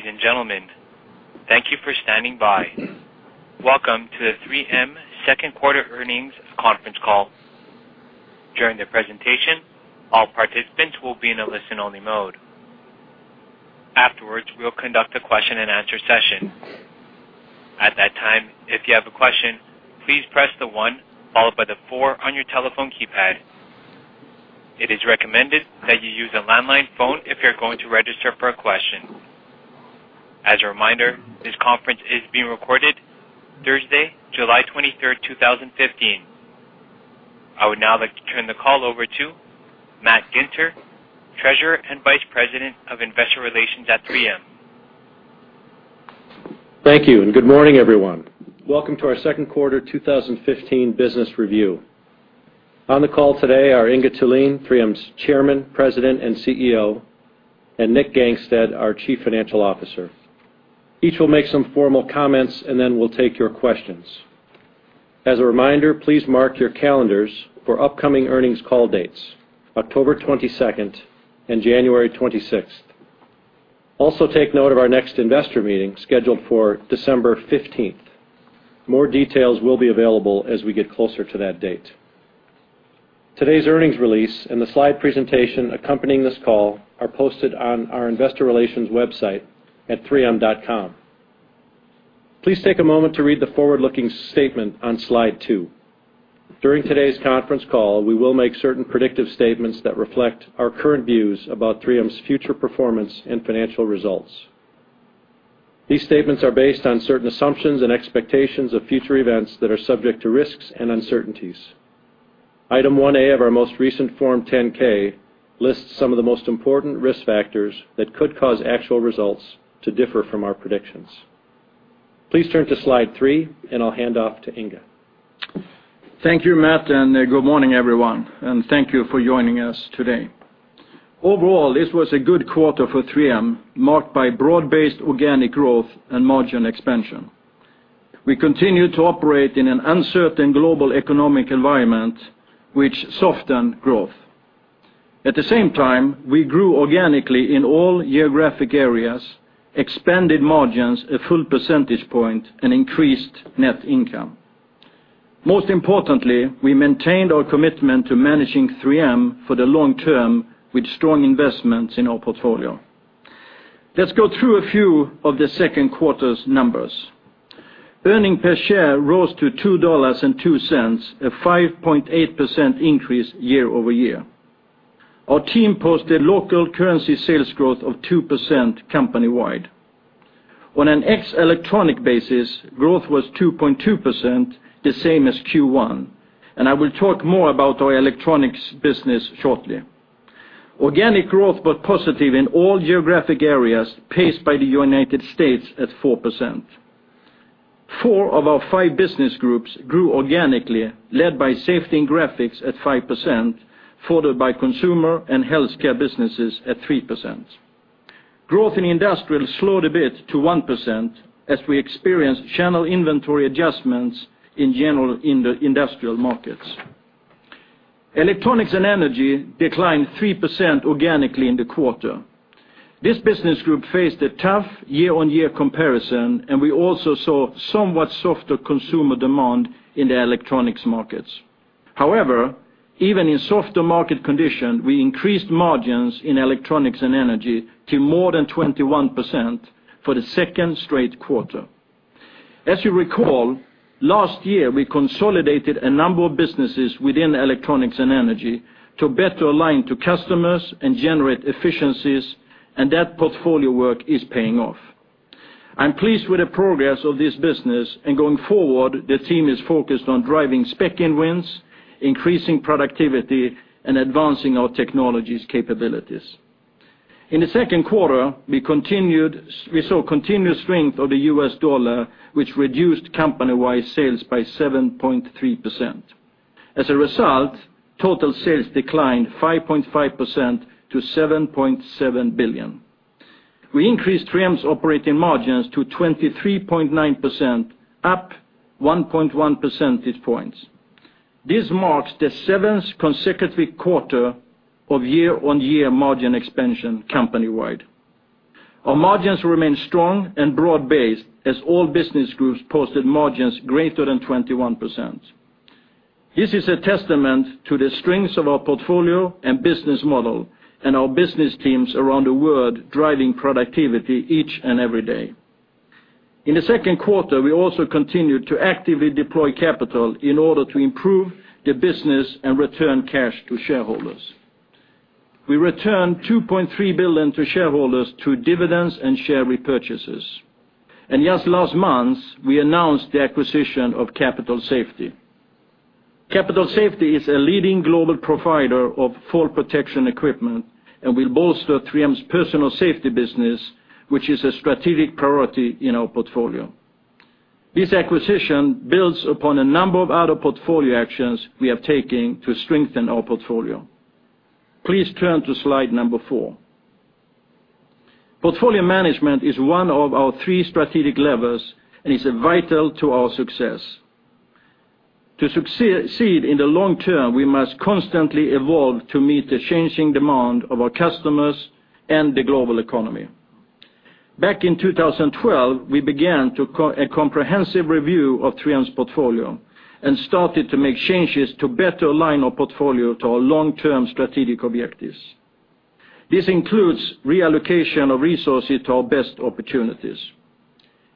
Ladies and gentlemen, thank you for standing by. Welcome to the 3M second quarter earnings conference call. During the presentation, all participants will be in a listen-only mode. Afterwards, we'll conduct a question and answer session. At that time, if you have a question, please press the one followed by the four on your telephone keypad. It is recommended that you use a landline phone if you're going to register for a question. As a reminder, this conference is being recorded Thursday, July 23rd, 2015. I would now like to turn the call over to Matt Ginter, Treasurer and Vice President of Investor Relations at 3M. Thank you. Good morning, everyone. Welcome to our second quarter 2015 business review. On the call today are Inge Thulin, 3M's Chairman, President, and CEO, and Nick Gangestad, our Chief Financial Officer. Each will make some formal comments, and then we'll take your questions. As a reminder, please mark your calendars for upcoming earnings call dates, October 22nd and January 26th. Also, take note of our next investor meeting, scheduled for December 15th. More details will be available as we get closer to that date. Today's earnings release and the slide presentation accompanying this call are posted on our investor relations website at 3m.com. Please take a moment to read the forward-looking statement on slide two. During today's conference call, we will make certain predictive statements that reflect our current views about 3M's future performance and financial results. These statements are based on certain assumptions and expectations of future events that are subject to risks and uncertainties. Item 1A of our most recent Form 10-K lists some of the most important risk factors that could cause actual results to differ from our predictions. Please turn to slide three, and I'll hand off to Inge. Thank you, Matt. Good morning, everyone. Thank you for joining us today. Overall, this was a good quarter for 3M, marked by broad-based organic growth and margin expansion. We continue to operate in an uncertain global economic environment, which softened growth. At the same time, we grew organically in all geographic areas, expanded margins a full percentage point, and increased net income. Most importantly, we maintained our commitment to managing 3M for the long term with strong investments in our portfolio. Let's go through a few of the second quarter's numbers. Earning per share rose to $2.02, a 5.8% increase year-over-year. Our team posted local currency sales growth of 2% company-wide. On an ex electronic basis, growth was 2.2%, the same as Q1, and I will talk more about our electronics business shortly. Organic growth was positive in all geographic areas, paced by the United States at 4%. Four of our five business groups grew organically, led by Safety and Graphics at 5%, followed by Consumer and Healthcare businesses at 3%. Growth in Industrial slowed a bit to 1% as we experienced channel inventory adjustments in general industrial markets. Electronics and Energy declined 3% organically in the quarter. This business group faced a tough year-on-year comparison, and we also saw somewhat softer consumer demand in the electronics markets. However, even in softer market condition, we increased margins in Electronics and Energy to more than 21% for the second straight quarter. As you recall, last year, we consolidated a number of businesses within Electronics and Energy to better align to customers and generate efficiencies, and that portfolio work is paying off. I'm pleased with the progress of this business, and going forward, the team is focused on driving spec-in wins, increasing productivity, and advancing our technologies capabilities. In the second quarter, we saw continued strength of the U.S. dollar, which reduced company-wide sales by 7.3%. As a result, total sales declined 5.5% to $7.7 billion. We increased 3M's operating margins to 23.9%, up 1.1 percentage points. This marks the seventh consecutive quarter of year-on-year margin expansion company-wide. Our margins remain strong and broad-based as all business groups posted margins greater than 21%. This is a testament to the strengths of our portfolio and business model and our business teams around the world driving productivity each and every day. In the second quarter, we also continued to actively deploy capital in order to improve the business and return cash to shareholders. We returned $2.3 billion to shareholders through dividends and share repurchases. Just last month, we announced the acquisition of Capital Safety. Capital Safety is a leading global provider of fall protection equipment and will bolster 3M's Personal Safety business, which is a strategic priority in our portfolio. This acquisition builds upon a number of other portfolio actions we are taking to strengthen our portfolio. Please turn to slide number four. Portfolio management is one of our three strategic levers and is vital to our success. To succeed in the long term, we must constantly evolve to meet the changing demand of our customers and the global economy. Back in 2012, we began a comprehensive review of 3M's portfolio and started to make changes to better align our portfolio to our long-term strategic objectives. This includes reallocation of resources to our best opportunities.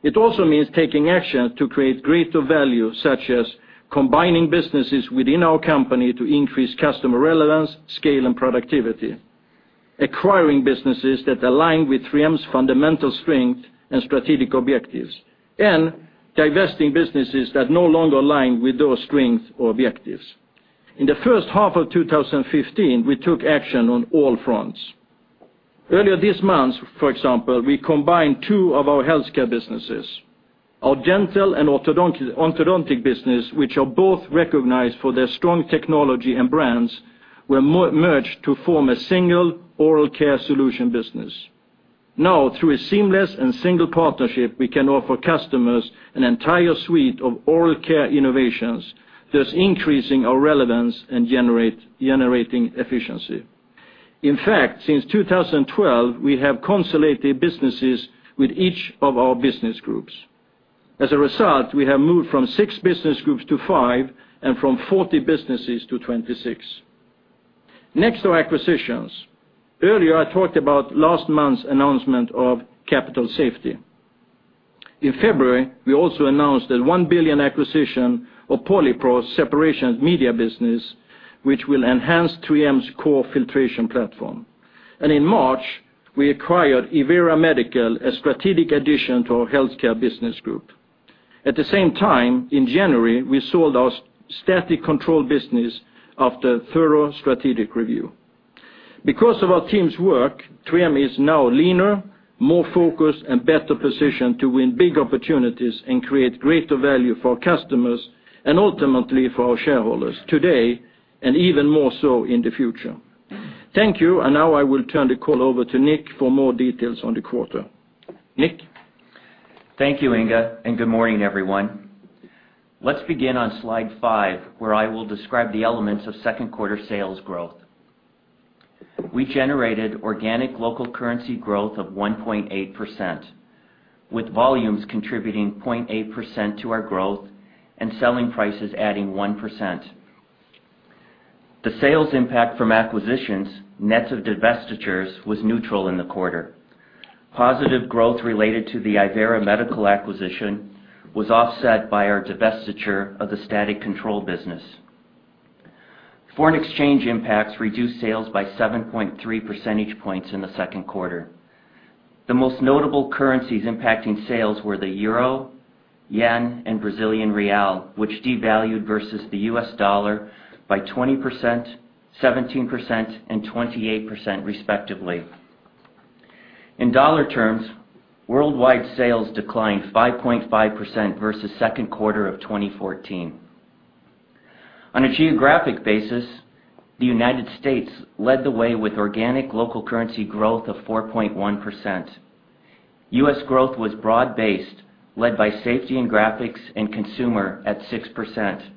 It also means taking action to create greater value, such as combining businesses within our company to increase customer relevance, scale, and productivity, acquiring businesses that align with 3M's fundamental strength and strategic objectives, and divesting businesses that no longer align with those strengths or objectives. In the first half of 2015, we took action on all fronts. Earlier this month, for example, we combined two of our Healthcare businesses. Our Dental and Orthodontic business, which are both recognized for their strong technology and brands, were merged to form a single Oral Care solution business. Now, through a seamless and single partnership, we can offer customers an entire suite of Oral Care innovations, thus increasing our relevance and generating efficiency. In fact, since 2012, we have consolidated businesses with each of our business groups. As a result, we have moved from six business groups to five and from 40 businesses to 26. Next are acquisitions. Earlier, I talked about last month's announcement of Capital Safety. In February, we also announced a $1 billion acquisition of Polypore's separation media business, which will enhance 3M's core filtration platform. In March, we acquired Ivera Medical, a strategic addition to our Healthcare business group. At the same time, in January, we sold our static control business after thorough strategic review. Because of our team's work, 3M is now leaner, more focused, and better positioned to win big opportunities and create greater value for our customers and ultimately for our shareholders today, and even more so in the future. Thank you. Now I will turn the call over to Nick for more details on the quarter. Nick? Thank you, Inge, and good morning, everyone. Let's begin on slide five, where I will describe the elements of second quarter sales growth. We generated organic local currency growth of 1.8%, with volumes contributing 0.8% to our growth and selling prices adding 1%. The sales impact from acquisitions, net of divestitures, was neutral in the quarter. Positive growth related to the Ivera Medical acquisition was offset by our divestiture of the static control business. Foreign exchange impacts reduced sales by 7.3 percentage points in the second quarter. The most notable currencies impacting sales were the euro, yen, and Brazilian real, which devalued versus the US dollar by 20%, 17%, and 28% respectively. In dollar terms, worldwide sales declined 5.5% versus second quarter of 2014. On a geographic basis, the United States led the way with organic local currency growth of 4.1%. U.S. growth was broad-based, led by Safety and Graphics and Consumer at 6%,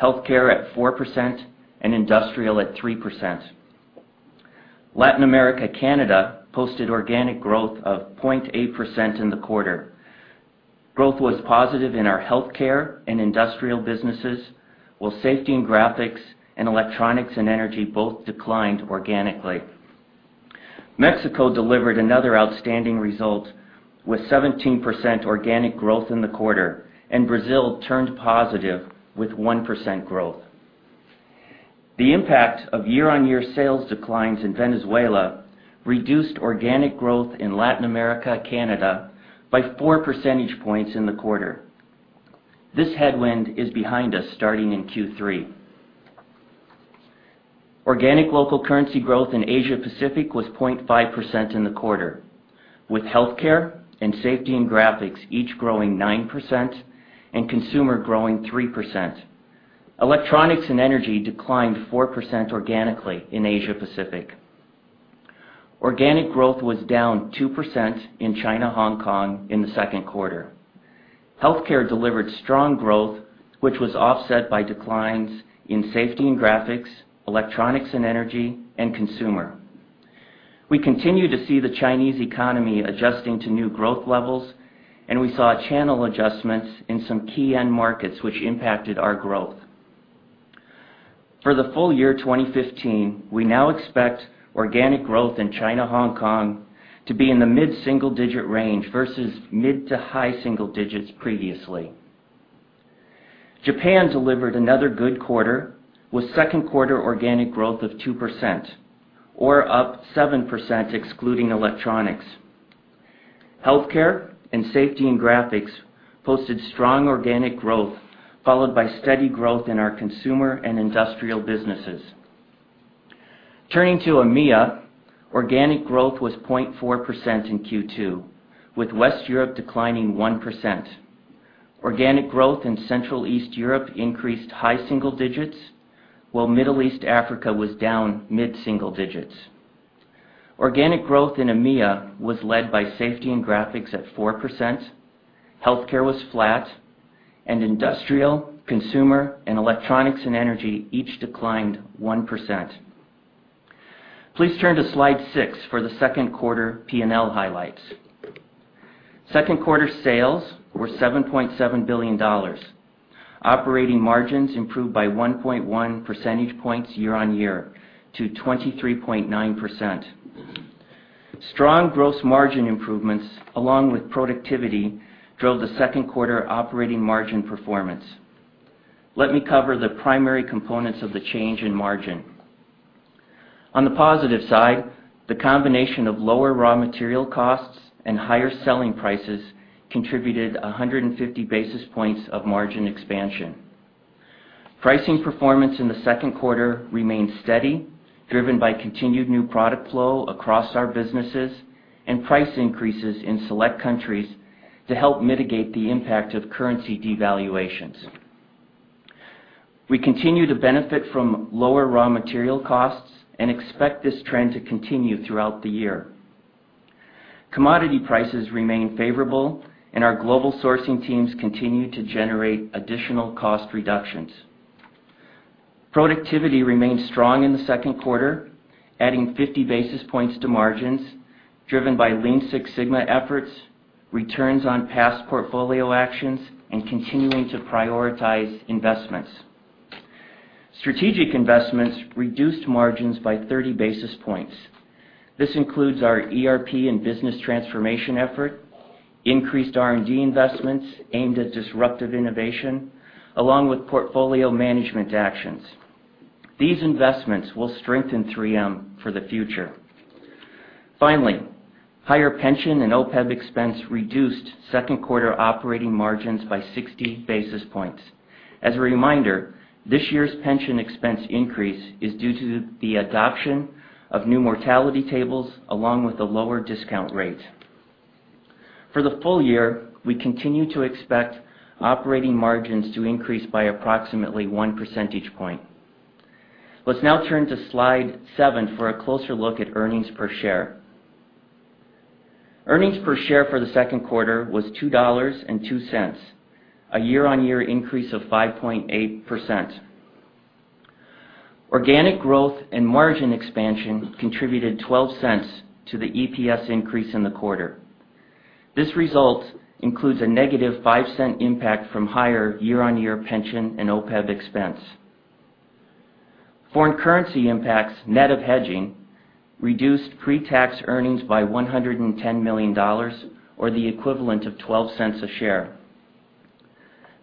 Healthcare at 4%, and Industrial at 3%. Latin America/Canada posted organic growth of 0.8% in the quarter. Growth was positive in our Healthcare and Industrial businesses, while Safety and Graphics and Electronics and Energy both declined organically. Mexico delivered another outstanding result with 17% organic growth in the quarter, and Brazil turned positive with 1% growth. The impact of year-on-year sales declines in Venezuela reduced organic growth in Latin America/Canada by four percentage points in the quarter. This headwind is behind us starting in Q3. Organic local currency growth in Asia Pacific was 0.5% in the quarter, with Healthcare and Safety and Graphics each growing 9% and Consumer growing 3%. Electronics and Energy declined 4% organically in Asia Pacific. Organic growth was down 2% in China/Hong Kong in the second quarter. Healthcare delivered strong growth, which was offset by declines in Safety and Graphics, Electronics and Energy, and Consumer. We continue to see the Chinese economy adjusting to new growth levels. We saw channel adjustments in some key end markets which impacted our growth. For the full year 2015, we now expect organic growth in China/Hong Kong to be in the mid-single digit range versus mid to high single digits previously. Japan delivered another good quarter with second quarter organic growth of 2%, or up 7% excluding Electronics and Energy. Healthcare and Safety and Graphics posted strong organic growth, followed by steady growth in our Consumer and Industrial businesses. Turning to EMEA, organic growth was 0.4% in Q2, with West Europe declining 1%. Organic growth in Central/East Europe increased high single digits, while Middle East/Africa was down mid-single digits. Organic growth in EMEA was led by Safety and Graphics at 4%, Healthcare was flat, and Industrial, Consumer, and Electronics and Energy each declined 1%. Please turn to Slide 6 for the second quarter P&L highlights. Second quarter sales were $7.7 billion. Operating margins improved by 1.1 percentage points year-on-year to 23.9%. Strong gross margin improvements along with productivity drove the second quarter operating margin performance. Let me cover the primary components of the change in margin. On the positive side, the combination of lower raw material costs and higher selling prices contributed 150 basis points of margin expansion. Pricing performance in the second quarter remained steady, driven by continued new product flow across our businesses and price increases in select countries to help mitigate the impact of currency devaluations. We continue to benefit from lower raw material costs and expect this trend to continue throughout the year. Commodity prices remain favorable and our global sourcing teams continue to generate additional cost reductions. Productivity remained strong in the second quarter, adding 50 basis points to margins driven by Lean Six Sigma efforts, returns on past portfolio actions, and continuing to prioritize investments. Strategic investments reduced margins by 30 basis points. This includes our ERP and business transformation effort, increased R&D investments aimed at disruptive innovation, along with portfolio management actions. These investments will strengthen 3M for the future. Finally, higher pension and OPEB expense reduced second quarter operating margins by 60 basis points. As a reminder, this year's pension expense increase is due to the adoption of new mortality tables, along with a lower discount rate. For the full year, we continue to expect operating margins to increase by approximately one percentage point. Let's now turn to Slide 7 for a closer look at earnings per share. Earnings per share for the second quarter was $2.02, a year-on-year increase of 5.8%. Organic growth and margin expansion contributed $0.12 to the EPS increase in the quarter. This result includes a negative $0.05 impact from higher year-on-year pension and OPEB expense. Foreign currency impacts net of hedging reduced pre-tax earnings by $110 million, or the equivalent of $0.12 a share.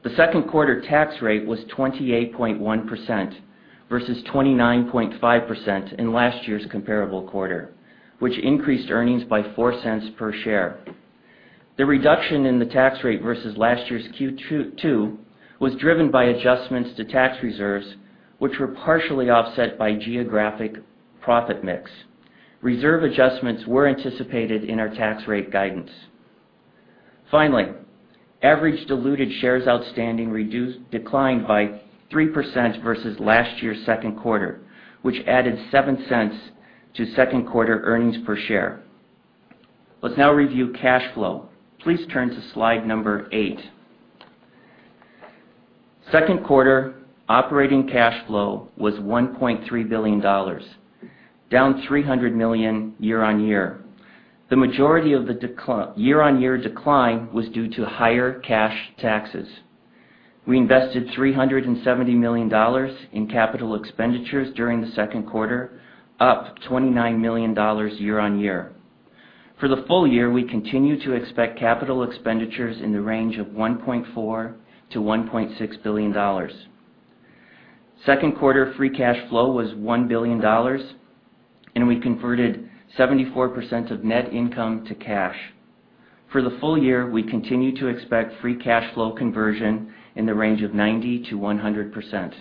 The second quarter tax rate was 28.1% versus 29.5% in last year's comparable quarter, which increased earnings by $0.04 per share. The reduction in the tax rate versus last year's Q2 was driven by adjustments to tax reserves, which were partially offset by geographic profit mix. Reserve adjustments were anticipated in our tax rate guidance. Finally, average diluted shares outstanding declined by 3% versus last year's second quarter, which added $0.07 to second quarter earnings per share. Let's now review cash flow. Please turn to slide number eight. Second quarter operating cash flow was $1.3 billion, down $300 million year-on-year. The majority of the year-on-year decline was due to higher cash taxes. We invested $370 million in capital expenditures during the second quarter, up $29 million year-on-year. For the full year, we continue to expect capital expenditures in the range of $1.4 billion-$1.6 billion. Second quarter free cash flow was $1 billion, and we converted 74% of net income to cash. For the full year, we continue to expect free cash flow conversion in the range of 90%-100%.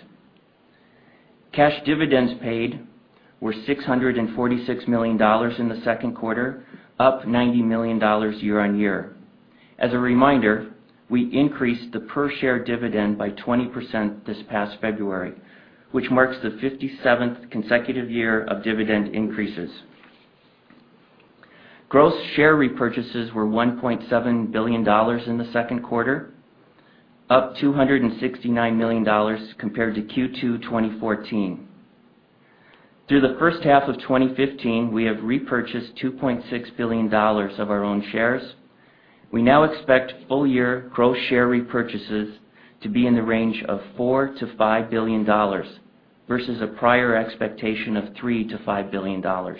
Cash dividends paid were $646 million in the second quarter, up $90 million year-on-year. As a reminder, we increased the per-share dividend by 20% this past February, which marks the 57th consecutive year of dividend increases. Gross share repurchases were $1.7 billion in the second quarter, up $269 million compared to Q2 2014. Through the first half of 2015, we have repurchased $2.6 billion of our own shares. We now expect full-year gross share repurchases to be in the range of $4 billion-$5 billion versus a prior expectation of $3 billion-$5 billion.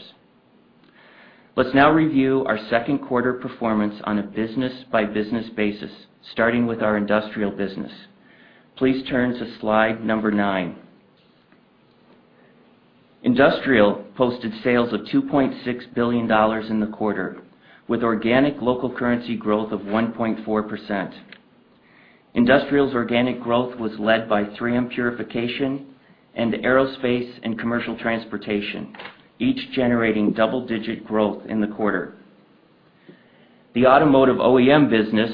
Let's now review our second quarter performance on a business-by-business basis, starting with our Industrial business. Please turn to slide number nine. Industrial posted sales of $2.6 billion in the quarter with organic local currency growth of 1.4%. Industrial's organic growth was led by 3M Purification and Aerospace and Commercial Transportation, each generating double-digit growth in the quarter. The automotive OEM business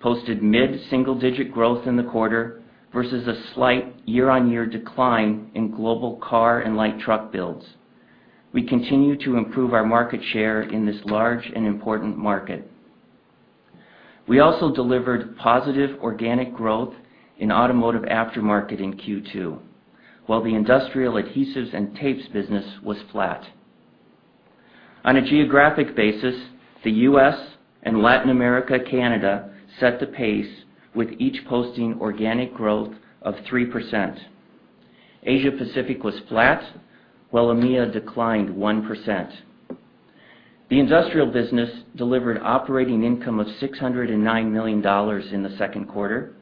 posted mid-single-digit growth in the quarter versus a slight year-on-year decline in global car and light truck builds. We continue to improve our market share in this large and important market. We also delivered positive organic growth in automotive aftermarket in Q2, while the Industrial Adhesives & Tapes business was flat. On a geographic basis, the U.S. and Latin America, Canada set the pace with each posting organic growth of 3%. Asia Pacific was flat, while EMEA declined 1%. The Industrial business delivered operating income of $609 million in the second quarter.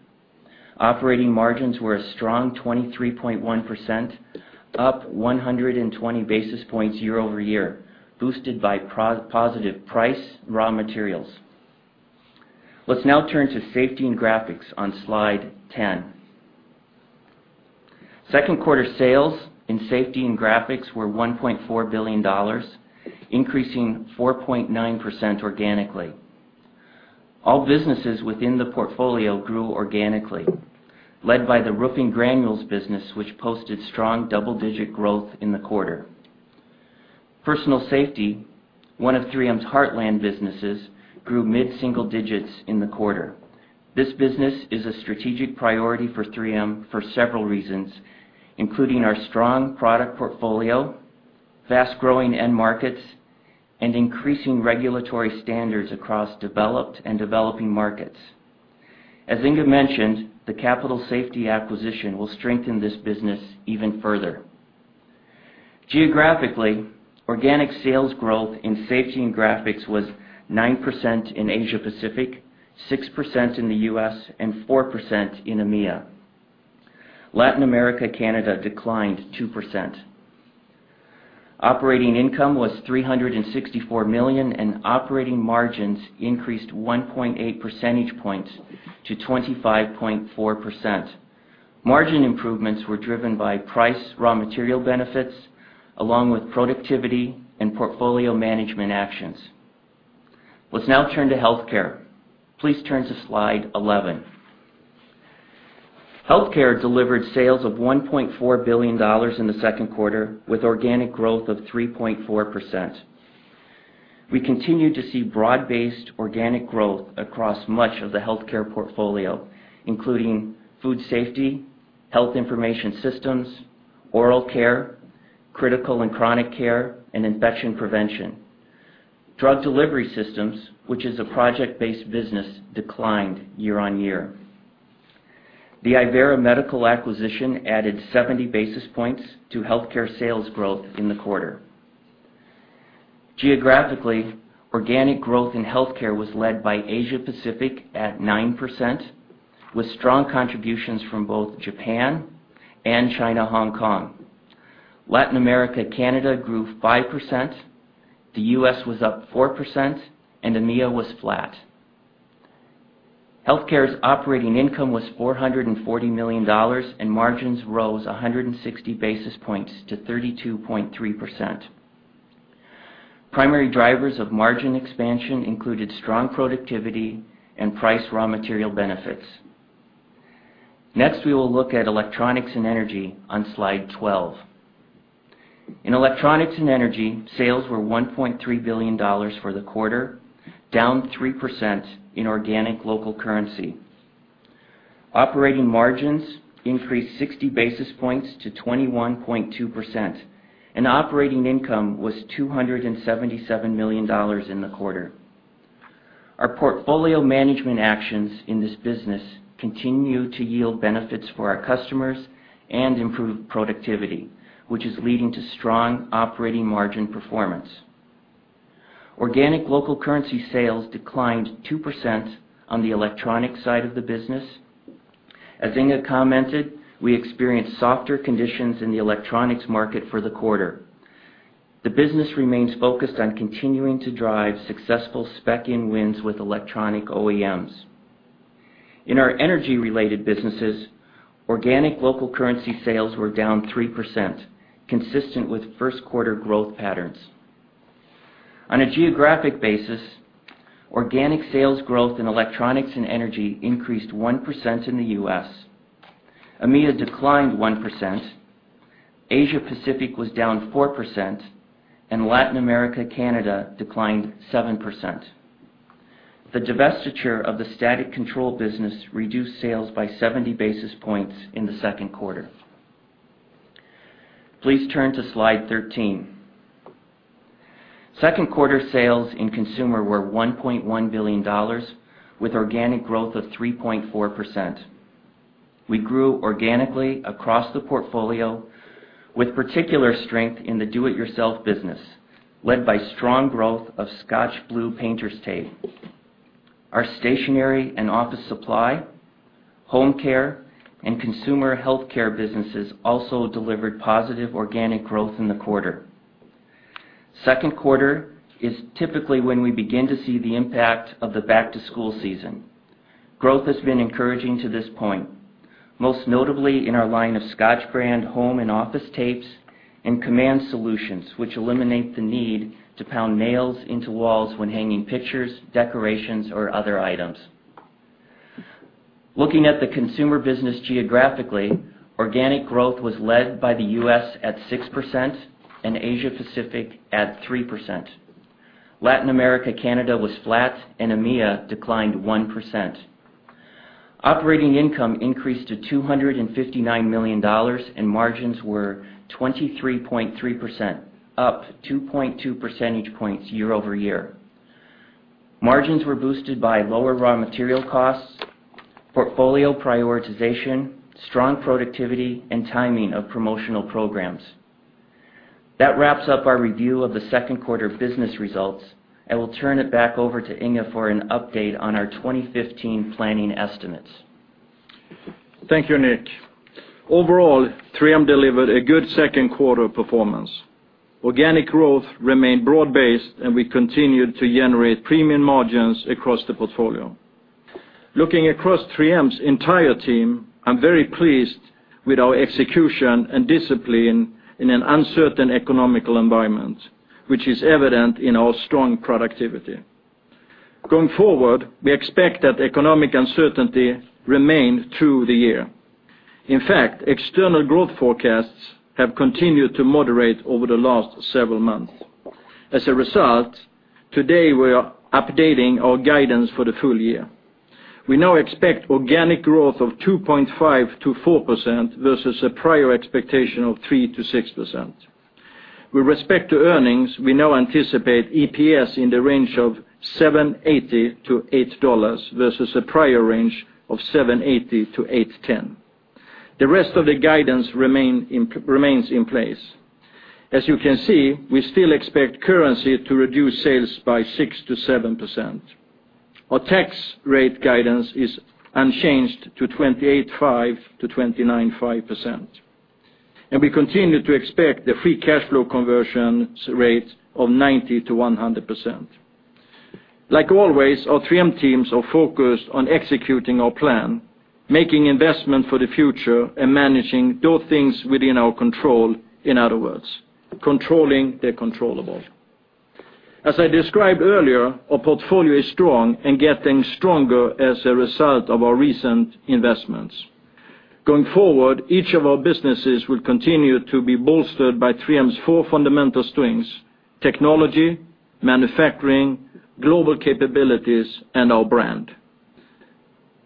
Operating margins were a strong 23.1%, up 120 basis points year-over-year, boosted by positive price raw materials. Let's now turn to Safety and Graphics on slide 10. Second quarter sales in Safety and Graphics were $1.4 billion, increasing 4.9% organically. All businesses within the portfolio grew organically, led by the Roofing Granules business, which posted strong double-digit growth in the quarter. Personal Safety, one of 3M's heartland businesses, grew mid-single digits in the quarter. This business is a strategic priority for 3M for several reasons, including our strong product portfolio, fast-growing end markets, and increasing regulatory standards across developed and developing markets. As Inge mentioned, the Capital Safety acquisition will strengthen this business even further. Geographically, organic sales growth in Safety and Graphics was 9% in Asia Pacific, 6% in the U.S., and 4% in EMEA. Latin America/Canada declined 2%. Operating income was $364 million, and operating margins increased 1.8 percentage points to 25.4%. Margin improvements were driven by price raw material benefits, along with productivity and portfolio management actions. Let's now turn to Healthcare. Please turn to slide 11. Healthcare delivered sales of $1.4 billion in the second quarter, with organic growth of 3.4%. We continue to see broad-based organic growth across much of the Healthcare portfolio, including Food Safety, Health Information Systems, Oral Care, critical and chronic care, and infection prevention. Drug Delivery Systems, which is a project-based business, declined year-on-year. The Ivera Medical acquisition added 70 basis points to Healthcare sales growth in the quarter. Geographically, organic growth in Healthcare was led by Asia Pacific at 9%, with strong contributions from both Japan and China/Hong Kong. Latin America/Canada grew 5%, the U.S. was up 4%, and EMEA was flat. Healthcare's operating income was $440 million, and margins rose 160 basis points to 32.3%. Primary drivers of margin expansion included strong productivity and price raw material benefits. Next, we will look at Electronics and Energy on slide 12. In Electronics and Energy, sales were $1.3 billion for the quarter, down 3% in organic local currency. Operating margins increased 60 basis points to 21.2%, and operating income was $277 million in the quarter. Our portfolio management actions in this business continue to yield benefits for our customers and improve productivity, which is leading to strong operating margin performance. Organic local currency sales declined 2% on the electronic side of the business. As Inge commented, we experienced softer conditions in the electronics market for the quarter. The business remains focused on continuing to drive successful spec-in wins with electronic OEMs. In our energy-related businesses, organic local currency sales were down 3%, consistent with first quarter growth patterns. On a geographic basis, organic sales growth in Electronics and Energy increased 1% in the U.S., EMEA declined 1%, Asia Pacific was down 4%, and Latin America/Canada declined 7%. The divestiture of the static control business reduced sales by 70 basis points in the second quarter. Please turn to slide 13. Second quarter sales in Consumer were $1.1 billion, with organic growth of 3.4%. We grew organically across the portfolio with particular strength in the do it yourself business, led by strong growth of ScotchBlue painter's tape. Our stationary and office supply, home care, and consumer healthcare businesses also delivered positive organic growth in the quarter. Second quarter is typically when we begin to see the impact of the back-to-school season. Growth has been encouraging to this point, most notably in our line of Scotch Brand home and office tapes and Command solutions, which eliminate the need to pound nails into walls when hanging pictures, decorations, or other items. Looking at the Consumer business geographically, organic growth was led by the U.S. at 6% and Asia Pacific at 3%. Latin America/Canada was flat, and EMEA declined 1%. Operating income increased to $259 million, and margins were 23.3%, up 2.2 percentage points year-over-year. Margins were boosted by lower raw material costs, portfolio prioritization, strong productivity, and timing of promotional programs. That wraps up our review of the second quarter business results. I will turn it back over to Inge for an update on our 2015 planning estimates. Thank you, Nick. Overall, 3M delivered a good second quarter performance. Organic growth remained broad-based, and we continued to generate premium margins across the portfolio. Looking across 3M's entire team, I'm very pleased with our execution and discipline in an uncertain economical environment, which is evident in our strong productivity. Going forward, we expect that economic uncertainty remain through the year. In fact, external growth forecasts have continued to moderate over the last several months. As a result, today we are updating our guidance for the full year. We now expect organic growth of 2.5%-4% versus a prior expectation of 3%-6%. With respect to earnings, we now anticipate EPS in the range of $7.80-$8 versus a prior range of $7.80-$8.10. The rest of the guidance remains in place. As you can see, we still expect currency to reduce sales by 6%-7%. Our tax rate guidance is unchanged to 28.5%-29.5%. We continue to expect the free cash flow conversion rate of 90%-100%. Like always, our 3M teams are focused on executing our plan, making investment for the future, and managing those things within our control. In other words, controlling the controllable. As I described earlier, our portfolio is strong and getting stronger as a result of our recent investments. Going forward, each of our businesses will continue to be bolstered by 3M's four fundamental strengths: technology, manufacturing, global capabilities, and our brand.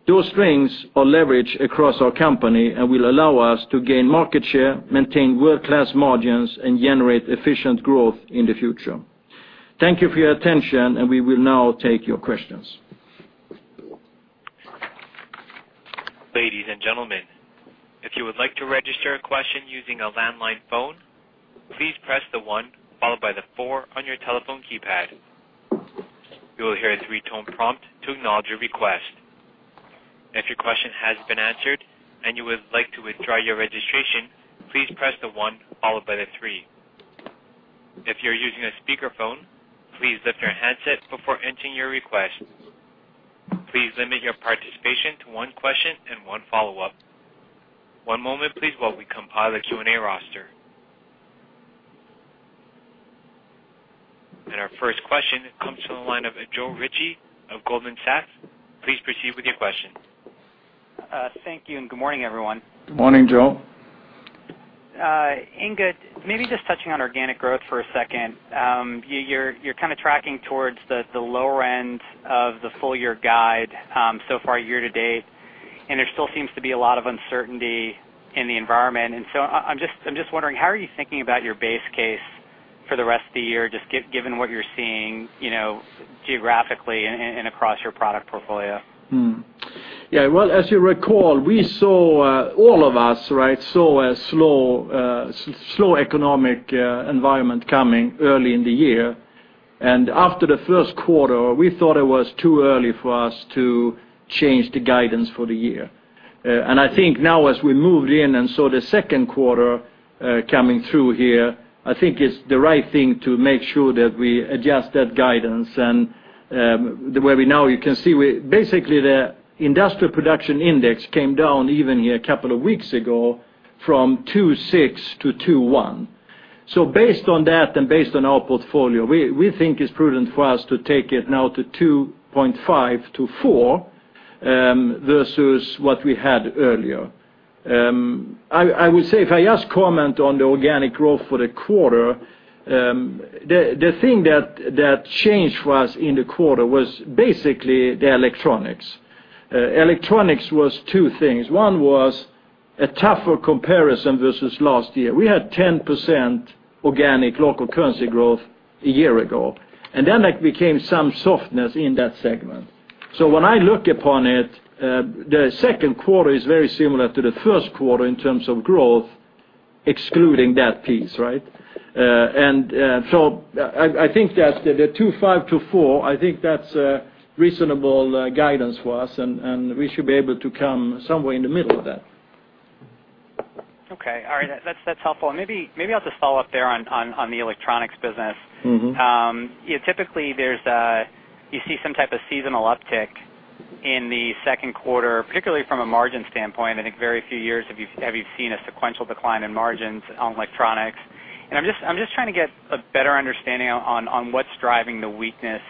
Those strengths are leveraged across our company and will allow us to gain market share, maintain world-class margins, and generate efficient growth in the future. Thank you for your attention. We will now take your questions. Ladies and gentlemen, if you would like to register a question using a landline phone, please press the one followed by the four on your telephone keypad. You will hear a three-tone prompt to acknowledge your request. If your question has been answered and you would like to withdraw your registration, please press the one followed by the three. If you're using a speakerphone, please lift your handset before entering your request. Please limit your participation to one question and one follow-up. One moment, please, while we compile a Q&A roster. Our first question comes from the line of Joe Ritchie of Goldman Sachs. Please proceed with your question. Thank you. Good morning, everyone. Good morning, Joe. Inge, maybe just touching on organic growth for a second. You're kind of tracking towards the lower end of the full-year guide so far year-to-date, and there still seems to be a lot of uncertainty in the environment. I'm just wondering, how are you thinking about your base case for the rest of the year, just given what you're seeing geographically and across your product portfolio? Well, as you recall, all of us saw a slow economic environment coming early in the year. After the first quarter, we thought it was too early for us to change the guidance for the year. I think now as we moved in and saw the second quarter coming through here, I think it's the right thing to make sure that we adjust that guidance and the way we now, you can see basically the industrial production index came down even a couple of weeks ago from 2.6 to 2.1. Based on that and based on our portfolio, we think it's prudent for us to take it now to 2.5% to 4% versus what we had earlier. I would say if I just comment on the organic growth for the quarter, the thing that changed for us in the quarter was basically the Electronics. Electronics was two things. One was a tougher comparison versus last year. We had 10% organic local currency growth a year ago, it became some softness in that segment. When I look upon it, the second quarter is very similar to the first quarter in terms of growth, excluding that piece. I think that the 2.5% to 4%, I think that's a reasonable guidance for us, and we should be able to come somewhere in the middle of that. Okay. All right. That's helpful. Maybe I'll just follow up there on the Electronics business. Typically, you see some type of seasonal uptick in the second quarter, particularly from a margin standpoint. I think very few years have you seen a sequential decline in margins on electronics. I'm just trying to get a better understanding on what's driving the weakness.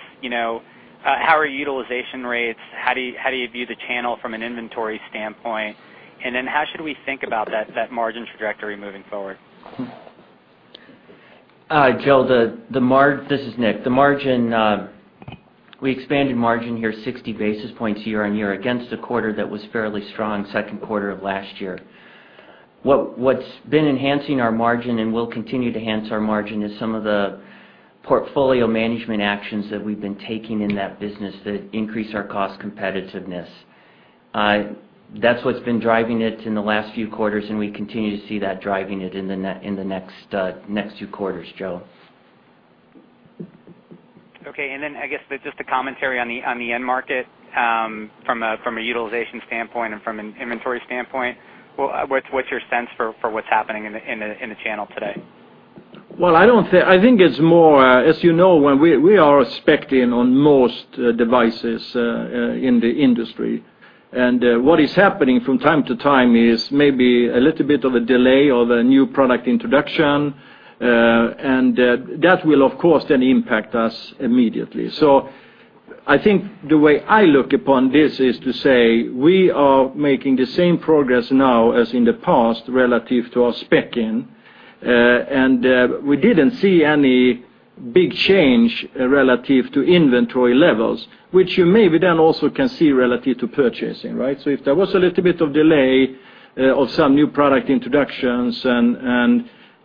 How are utilization rates? How do you view the channel from an inventory standpoint? How should we think about that margin trajectory moving forward? This is Nick. We expanded margin here 60 basis points year on year against a quarter that was fairly strong second quarter of last year. What's been enhancing our margin and will continue to enhance our margin is some of the portfolio management actions that we've been taking in that business that increase our cost competitiveness. That's what's been driving it in the last few quarters, we continue to see that driving it in the next two quarters, Joe. Okay. I guess just a commentary on the end market, from a utilization standpoint and from an inventory standpoint, what's your sense for what's happening in the channel today? I think it's more, as you know, we are spec'ing on most devices in the industry. What is happening from time to time is maybe a little bit of a delay of a new product introduction, that will, of course, then impact us immediately. I think the way I look upon this is to say we are making the same progress now as in the past, relative to our spec'ing. We didn't see any big change relative to inventory levels, which you maybe then also can see relative to purchasing, right? If there was a little bit of delay of some new product introductions,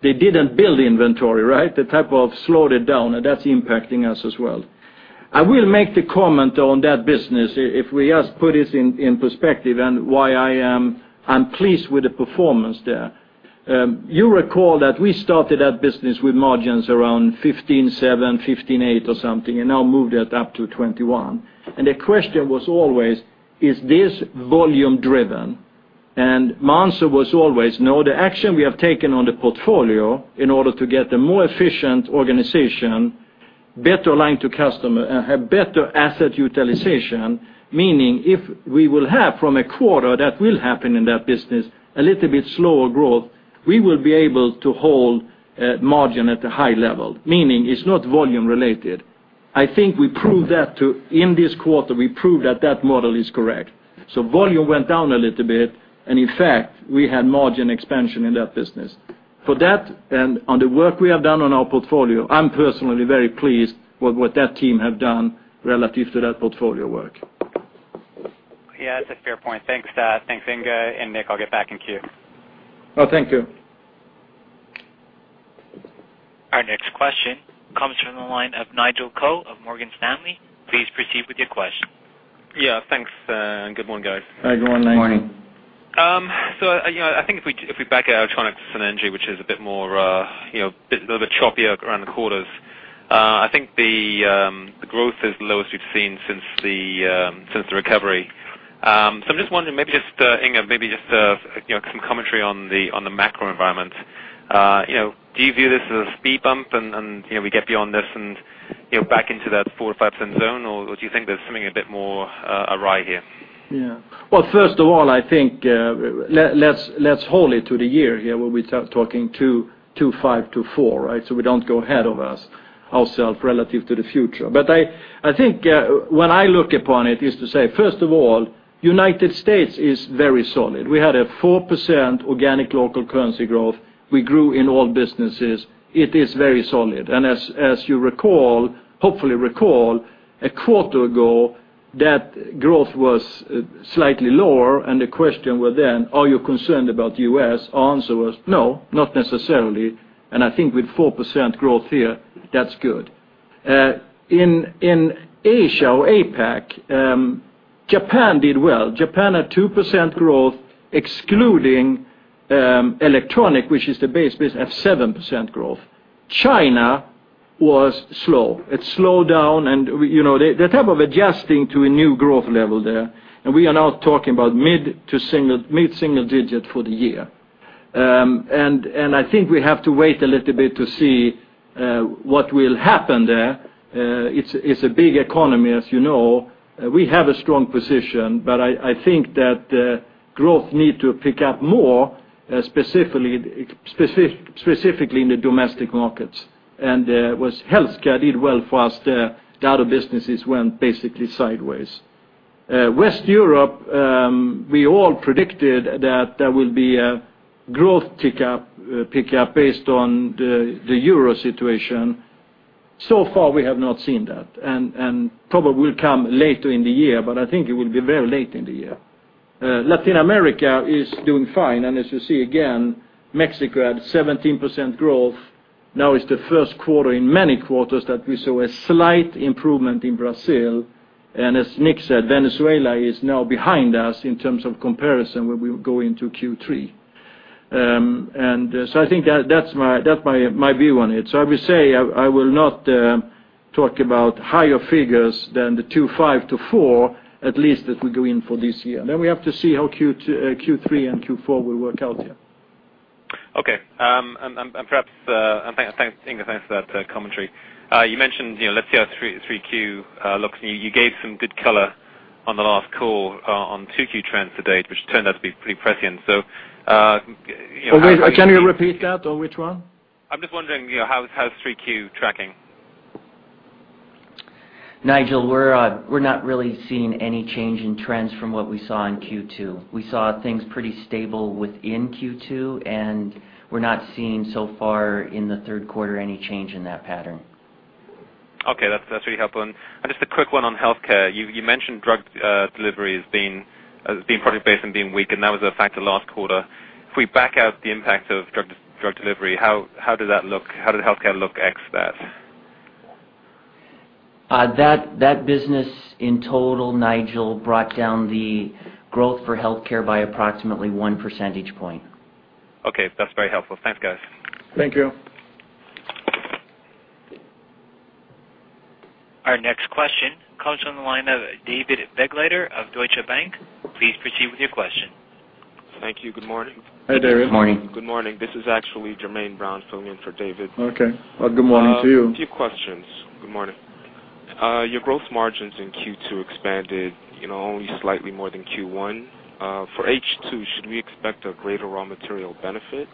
they didn't build the inventory, they type of slowed it down, that's impacting us as well. I will make the comment on that business if we just put this in perspective and why I'm pleased with the performance there. You recall that we started that business with margins around 15.7%, 15.8% or something and now moved it up to 21%. The question was always, is this volume driven? My answer was always no. The action we have taken on the portfolio in order to get a more efficient organization, better line to customer, have better asset utilization, meaning if we will have from a quarter that will happen in that business, a little bit slower growth, we will be able to hold margin at a high level, meaning it's not volume related. I think in this quarter, we proved that that model is correct. Volume went down a little bit, and in fact, we had margin expansion in that business. For that and on the work we have done on our portfolio, I'm personally very pleased with what that team have done relative to that portfolio work. Yeah, that's a fair point. Thanks, Inge and Nick. I'll get back in queue. Oh, thank you. Our next question comes from the line of Nigel Coe of Morgan Stanley. Please proceed with your question. Yeah. Thanks. Good morning, guys. Hi, good morning. Morning. I think if we back out Electronics and Energy, which is a bit more choppier around the quarters, I think the growth is the lowest we've seen since the recovery. I'm just wondering, maybe just, Inge, maybe just some commentary on the macro environment. Do you view this as a speed bump, and we get beyond this and back into that 4% or 5% zone, or do you think there's something a bit more awry here? Well, first of all, I think let's hold it to the year here where we start talking 2.5%-4%, so we don't go ahead of ourselves relative to the future. I think when I look upon it is to say, first of all, U.S. is very solid. We had a 4% organic local currency growth. We grew in all businesses. It is very solid. As you recall, hopefully recall, a quarter ago, that growth was slightly lower and the question were then, are you concerned about U.S.? Answer was no, not necessarily. I think with 4% growth here, that's good. In Asia or APAC, Japan did well. Japan had 2% growth excluding Electronics, which is the base business of 7% growth. China was slow. It slowed down and they're type of adjusting to a new growth level there. We are now talking about mid-single digit for the year. I think we have to wait a little bit to see what will happen there. It's a big economy, as you know. We have a strong position, but I think that growth need to pick up more, specifically in the domestic markets. It was Healthcare did well for us there. The other businesses went basically sideways. West Europe, we all predicted that there will be a growth pick up based on the EUR situation. So far, we have not seen that. Probably will come later in the year, but I think it will be very late in the year. Latin America is doing fine, as you see again, Mexico had 17% growth. Now it's the first quarter in many quarters that we saw a slight improvement in Brazil. As Nick said, Venezuela is now behind us in terms of comparison when we go into Q3. I think that's my view on it. I will say I will not talk about higher figures than the 2.5%-4%, at least that we go in for this year. We have to see how Q3 and Q4 will work out here. Okay. Perhaps, Inge, thanks for that commentary. You mentioned, let's see how 3Q looks, and you gave some good color on the last call on 2Q trends to date, which turned out to be pretty prescient. Can you repeat that? Which one? I'm just wondering, how's 3Q tracking? Nigel, we're not really seeing any change in trends from what we saw in Q2. We saw things pretty stable within Q2. We're not seeing so far in the third quarter any change in that pattern. Okay. That's really helpful. Just a quick one on Healthcare. You mentioned Drug Delivery as being product-based and being weak, and that was a factor last quarter. If we back out the impact of Drug Delivery, how did Healthcare look ex that? That business in total, Nigel, brought down the growth for Healthcare by approximately one percentage point. Okay. That's very helpful. Thanks, guys. Thank you. Our next question comes from the line of David Begleiter of Deutsche Bank. Please proceed with your question. Thank you. Good morning. Hi, David. Morning. Good morning. This is actually Jermaine Brown filling in for David. Okay. Good morning to you. Two questions. Good morning. Your growth margins in Q2 expanded only slightly more than Q1. For H2, should we expect a greater raw material benefit,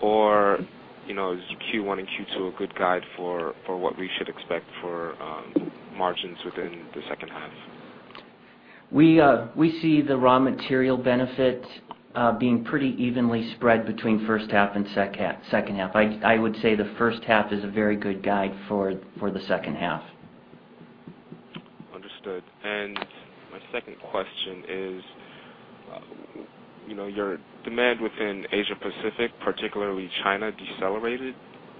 or is Q1 and Q2 a good guide for what we should expect for margins within the second half? We see the raw material benefit being pretty evenly spread between first half and second half. I would say the first half is a very good guide for the second half. Understood. My second question is, your demand within Asia Pacific, particularly China, decelerated.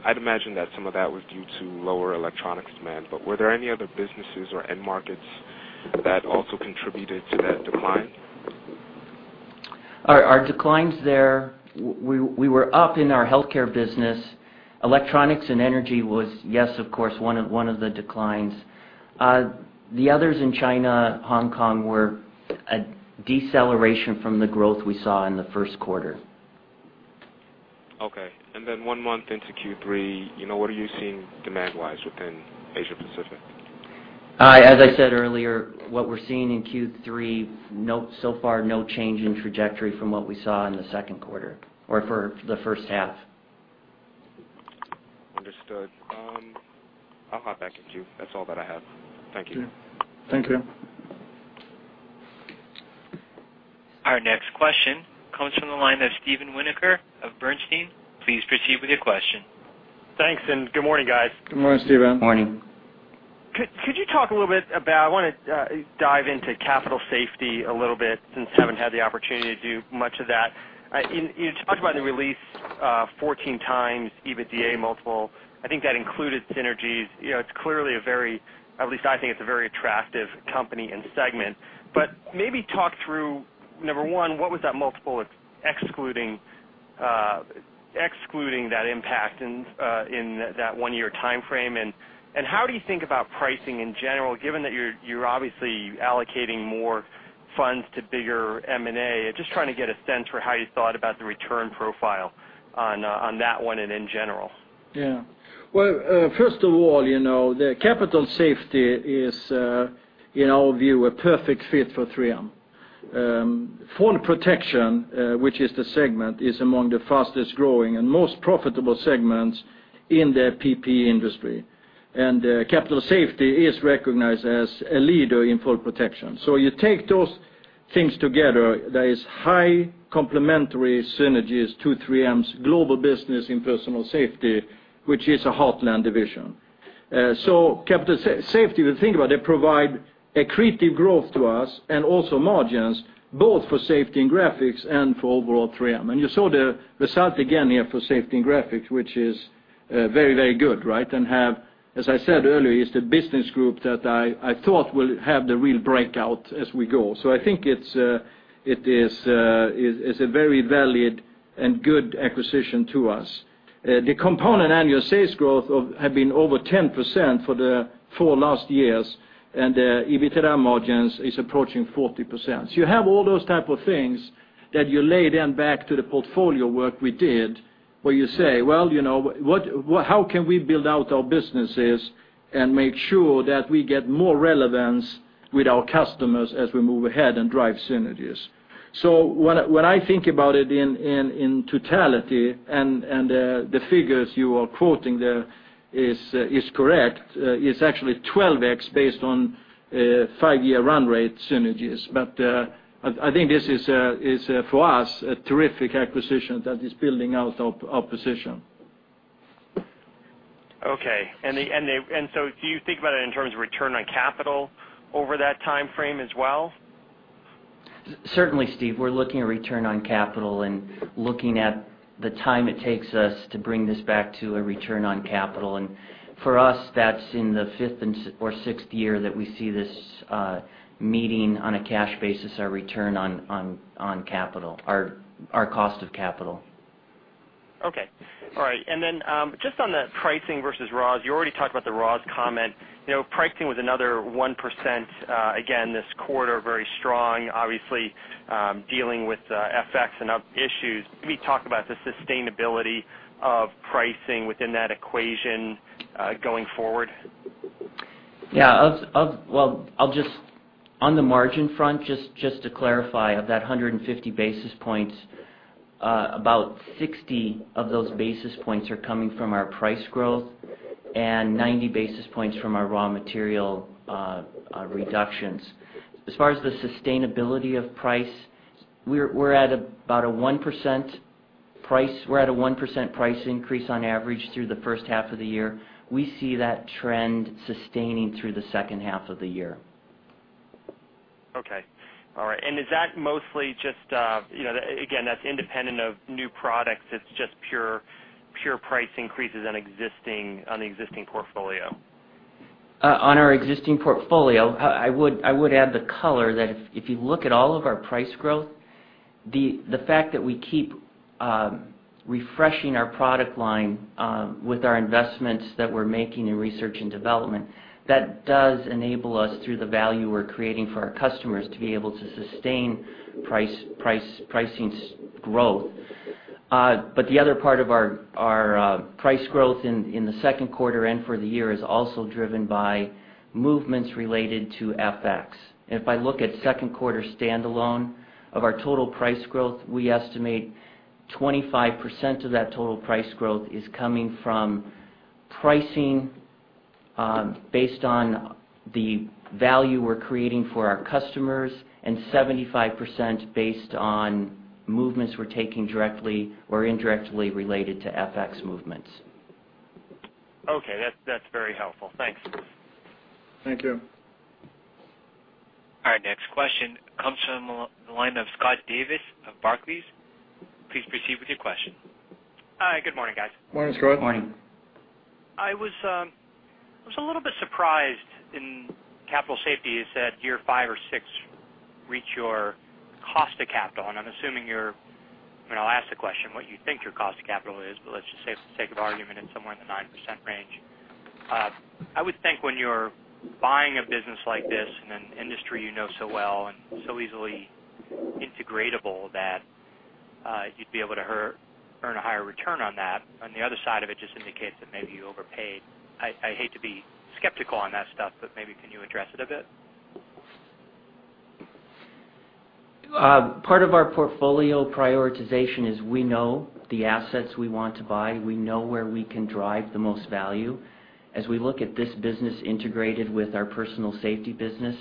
I'd imagine that some of that was due to lower electronics demand, were there any other businesses or end markets that also contributed to that decline? Our declines there, we were up in our Healthcare business. Electronics and Energy was, yes, of course, one of the declines. The others in China, Hong Kong, were a deceleration from the growth we saw in the first quarter. Okay. One month into Q3, what are you seeing demand-wise within Asia Pacific? As I said earlier, what we're seeing in Q3, so far, no change in trajectory from what we saw in the second quarter, or for the first half. Understood. I'll hop back in queue. That's all that I have. Thank you. Thank you. Our next question comes from the line of Steven Winoker of Bernstein. Please proceed with your question. Thanks, good morning, guys. Good morning, Steven. Morning. Could you talk a little bit about, I want to dive into Capital Safety a little bit, since you haven't had the opportunity to do much of that. You talked about in the release 14x EBITDA multiple. I think that included synergies. It's clearly a very, at least I think it's a very attractive company and segment. Maybe talk through, number one, what was that multiple excluding that impact in that one-year timeframe, and how do you think about pricing in general, given that you're obviously allocating more funds to bigger M&A? Just trying to get a sense for how you thought about the return profile on that one and in general. Well, first of all, Capital Safety is, in our view, a perfect fit for 3M. Fall Protection, which is the segment, is among the fastest-growing and most profitable segments in the PPE industry. Capital Safety is recognized as a leader in Fall Protection. You take those things together, there is high complementary synergies to 3M's global business in Personal Safety, which is a heartland division. Capital Safety, if you think about it, provide accretive growth to us and also margins, both for Safety and Graphics and for overall 3M. You saw the result again here for Safety and Graphics, which is very, very good, right? Have, as I said earlier, is the business group that I thought will have the real breakout as we go. I think it's a very valid and good acquisition to us. The component annual sales growth have been over 10% for the four last years, and the EBITDA margins is approaching 40%. You have all those type of things that you lay then back to the portfolio work we did, where you say, "Well, how can we build out our businesses and make sure that we get more relevance with our customers as we move ahead and drive synergies?" When I think about it in totality, and the figures you are quoting there is correct, it's actually 12x based on five-year run rate synergies. I think this is, for us, a terrific acquisition that is building out our position. Okay. Do you think about it in terms of return on capital over that timeframe as well? Certainly, Steve, we're looking at return on capital and looking at the time it takes us to bring this back to a return on capital. For us, that's in the fifth or sixth year that we see this meeting on a cash basis, our return on capital, our cost of capital. Okay. All right. Then just on the pricing versus raws, you already talked about the raws comment. Pricing was another 1%, again, this quarter, very strong, obviously, dealing with FX and other issues. Can we talk about the sustainability of pricing within that equation going forward? Yeah. On the margin front, just to clarify, of that 150 basis points, about 60 of those basis points are coming from our price growth and 90 basis points from our raw material reductions. As far as the sustainability of price, we're at about a 1% price increase on average through the first half of the year. We see that trend sustaining through the second half of the year. Okay. All right. Is that mostly just, again, that's independent of new products, it's just pure price increases on the existing portfolio? On our existing portfolio, I would add the color that if you look at all of our price growth, the fact that we keep refreshing our product line with our investments that we're making in research and development, that does enable us, through the value we're creating for our customers, to be able to sustain pricing's growth. The other part of our price growth in the second quarter and for the year is also driven by movements related to FX. If I look at second quarter standalone of our total price growth, we estimate 25% of that total price growth is coming from pricing based on the value we're creating for our customers, and 75% based on movements we're taking directly or indirectly related to FX movements. Okay. That's very helpful. Thanks. Thank you. All right, next question comes from the line of Scott Davis of Barclays. Please proceed with your question. Hi, good morning, guys. Morning, Scott. Morning. I was a little bit surprised in Capital Safety you said year five or six reach your cost of capital. I'm assuming, I'll ask the question what you think your cost of capital is, let's just say for the sake of argument it's somewhere in the 9% range. I would think when you're buying a business like this in an industry you know so well and so easily integratable that you'd be able to earn a higher return on that. On the other side of it just indicates that maybe you overpaid. I hate to be skeptical on that stuff, maybe can you address it a bit? Part of our portfolio prioritization is we know the assets we want to buy. We know where we can drive the most value. As we look at this business integrated with our Personal Safety business,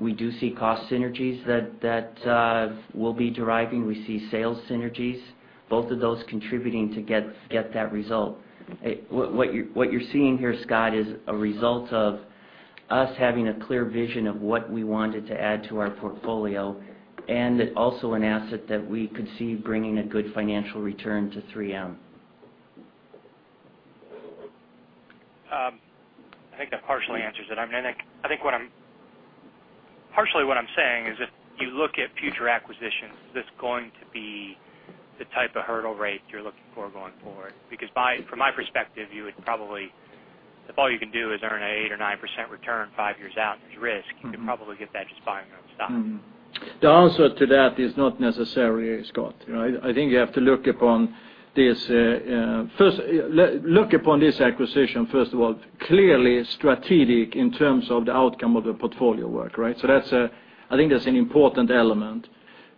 we do see cost synergies that we'll be deriving. We see sales synergies, both of those contributing to get that result. What you're seeing here, Scott, is a result of us having a clear vision of what we wanted to add to our portfolio and also an asset that we could see bringing a good financial return to 3M. I think that partially answers it. I think partially what I'm saying is if you look at future acquisitions, is this going to be the type of hurdle rate you're looking for going forward? From my perspective, if all you can do is earn an 8% or 9% return five years out and there's risk, you could probably get that just buying your own stock. The answer to that is not necessarily, Scott. I think you have to look upon this acquisition, first of all, clearly strategic in terms of the outcome of the portfolio work, right? I think that's an important element.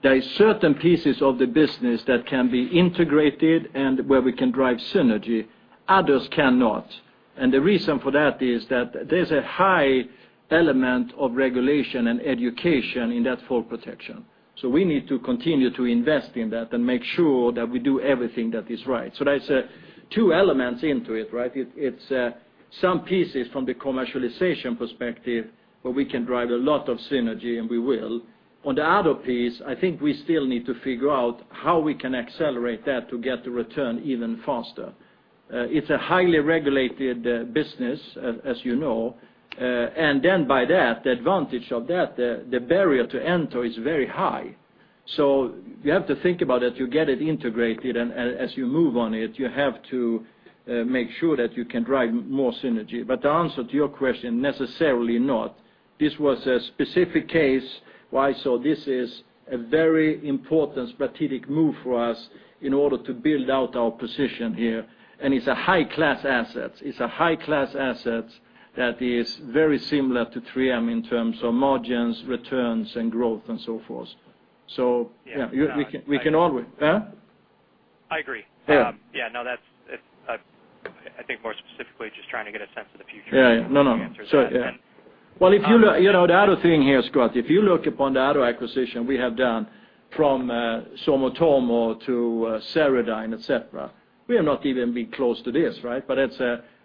There are certain pieces of the business that can be integrated and where we can drive synergy. Others cannot. The reason for that is that there's a high element of regulation and education in that Fall Protection. We need to continue to invest in that and make sure that we do everything that is right. There's two elements into it, right? It's some pieces from the commercialization perspective where we can drive a lot of synergy, and we will. On the other piece, I think we still need to figure out how we can accelerate that to get the return even faster. It's a highly regulated business, as you know. By that, the advantage of that, the barrier to enter is very high. You have to think about it, you get it integrated, and as you move on it, you have to make sure that you can drive more synergy. The answer to your question, necessarily not. This was a specific case. This is a very important strategic move for us in order to build out our position here, and it's a high-class asset. It's a high-class asset that is very similar to 3M in terms of margins, returns, and growth and so forth. Yeah, we can always- Yeah. Huh? I agree. Yeah. Yeah, no, I think more specifically just trying to get a sense of the future. Yeah. No, no. You answered that. Well, the other thing here, Scott, if you look upon the other acquisition we have done from Sumitomo to Ceradyne, et cetera, we have not even been close to this, right?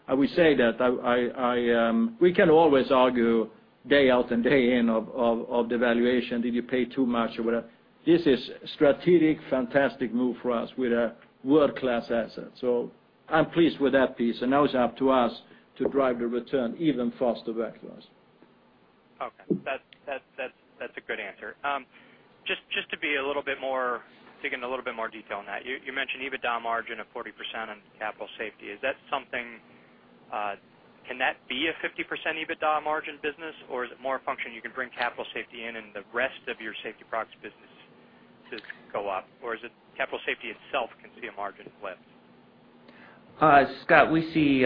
I would say that we can always argue day out and day in of the valuation, did you pay too much or whatever. This is strategic, fantastic move for us with a world-class asset. I'm pleased with that piece, and now it's up to us to drive the return even faster back to us. Okay. That's a good answer. Just to dig in a little bit more detail on that, you mentioned EBITDA margin of 40% on Capital Safety. Can that be a 50% EBITDA margin business or is it more a function you can bring Capital Safety in and the rest of your Safety Products business to go up? Or is it Capital Safety itself can see a margin lift? Scott, we see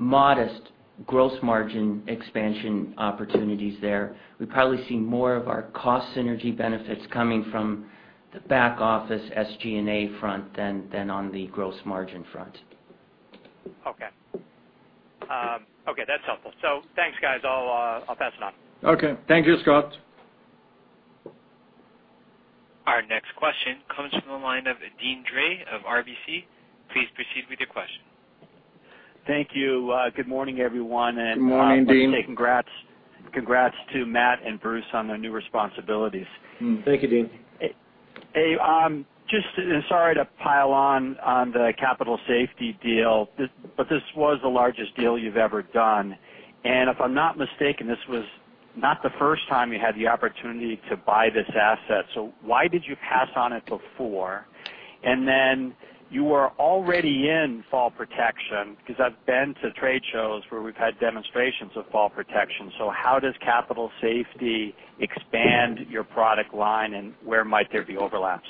modest gross margin expansion opportunities there. We probably see more of our cost synergy benefits coming from the back office SG&A front than on the gross margin front. Okay. That's helpful. Thanks, guys. I'll pass it on. Okay. Thank you, Scott. Our next question comes from the line of Deane Dray of RBC. Please proceed with your question. Thank you. Good morning, everyone. Good morning, Deane. I want to say congrats to Matt and Bruce on their new responsibilities. Thank you, Deane. Sorry to pile on the Capital Safety deal, this was the largest deal you've ever done. If I'm not mistaken, this was not the first time you had the opportunity to buy this asset. Why did you pass on it before? You are already in Fall Protection because I've been to trade shows where we've had demonstrations of Fall Protection. How does Capital Safety expand your product line and where might there be overlaps?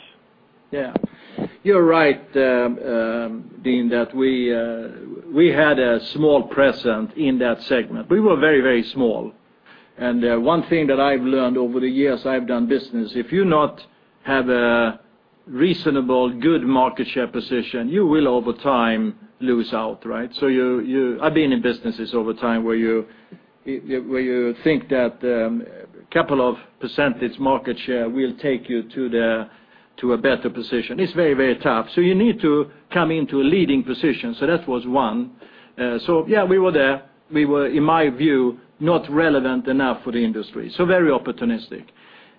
Yeah. You're right, Deane, that we had a small presence in that segment. We were very small. One thing that I've learned over the years I've done business, if you not have a reasonable, good market share position, you will over time lose out. I've been in businesses over time where you think that couple of percentage market share will take you to a better position. It's very tough. You need to come into a leading position. That was one. Yeah, we were there. We were, in my view, not relevant enough for the industry, so very opportunistic.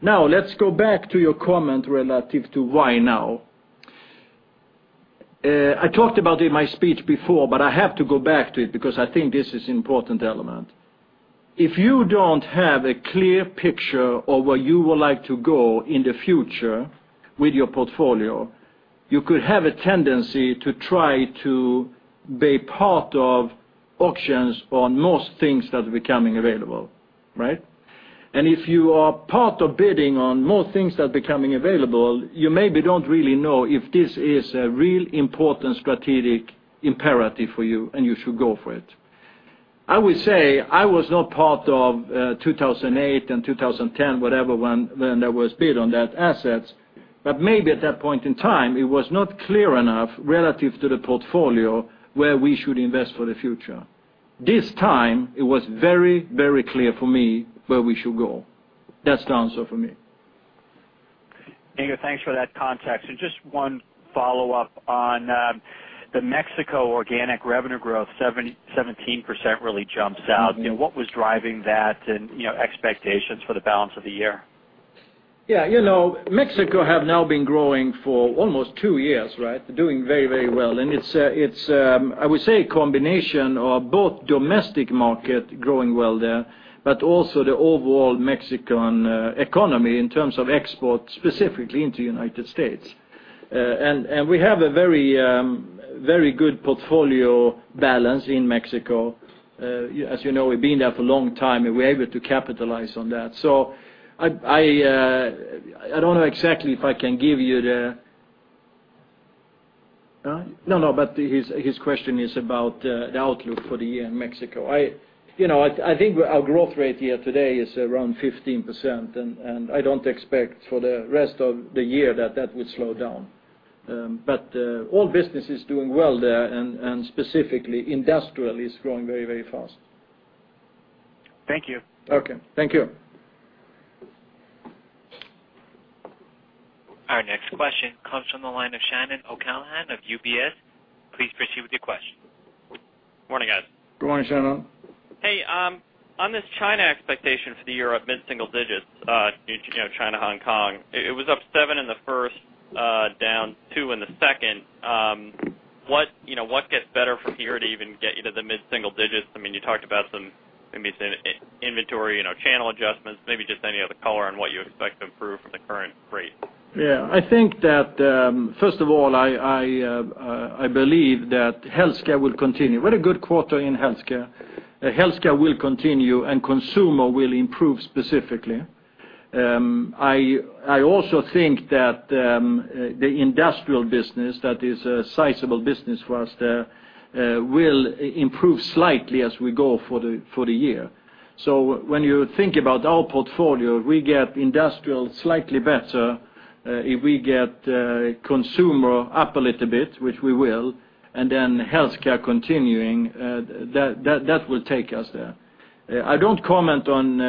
Let's go back to your comment relative to why now. I talked about it in my speech before, but I have to go back to it because I think this is important element. If you don't have a clear picture of where you would like to go in the future with your portfolio, you could have a tendency to try to be part of auctions on most things that are becoming available. If you are part of bidding on most things that are becoming available, you maybe don't really know if this is a real important strategic imperative for you and you should go for it. I would say I was not part of 2008 and 2010, whatever, when there was bid on that assets, but maybe at that point in time, it was not clear enough relative to the portfolio where we should invest for the future. This time, it was very clear for me where we should go. That's the answer for me. Inge, thanks for that context. Just one follow-up on the Mexico organic revenue growth, 17% really jumps out. What was driving that and expectations for the balance of the year? Yeah. Mexico has now been growing for almost two years. It's, I would say, a combination of both domestic market growing well there, but also the overall Mexican economy in terms of export, specifically into United States. We have a very good portfolio balance in Mexico. As you know, we've been there for a long time, and we're able to capitalize on that. I don't know exactly if I can give you the. No, his question is about the outlook for the year in Mexico. I think our growth rate here today is around 15%. I don't expect for the rest of the year that that would slow down. All businesses doing well there and specifically Industrial is growing very fast. Thank you. Okay. Thank you. Our next question comes from the line of Shannon O'Callaghan of UBS. Please proceed with your question. Morning, guys. Good morning, Shannon. Hey, on this China expectation for the year of mid-single digits, China, Hong Kong, it was up seven in the first, down two in the second. What gets better from here to even get you to the mid-single digits? You talked about some, maybe it's inventory, channel adjustments, maybe just any other color on what you expect to improve from the current rate. Yeah. First of all, I believe that Healthcare will continue. We had a good quarter in Healthcare. Healthcare will continue, and Consumer will improve specifically. I also think that the Industrial business, that is a sizable business for us there, will improve slightly as we go for the year. When you think about our portfolio, we get Industrial slightly better. If we get Consumer up a little bit, which we will, and then Healthcare continuing, that will take us there. I don't comment on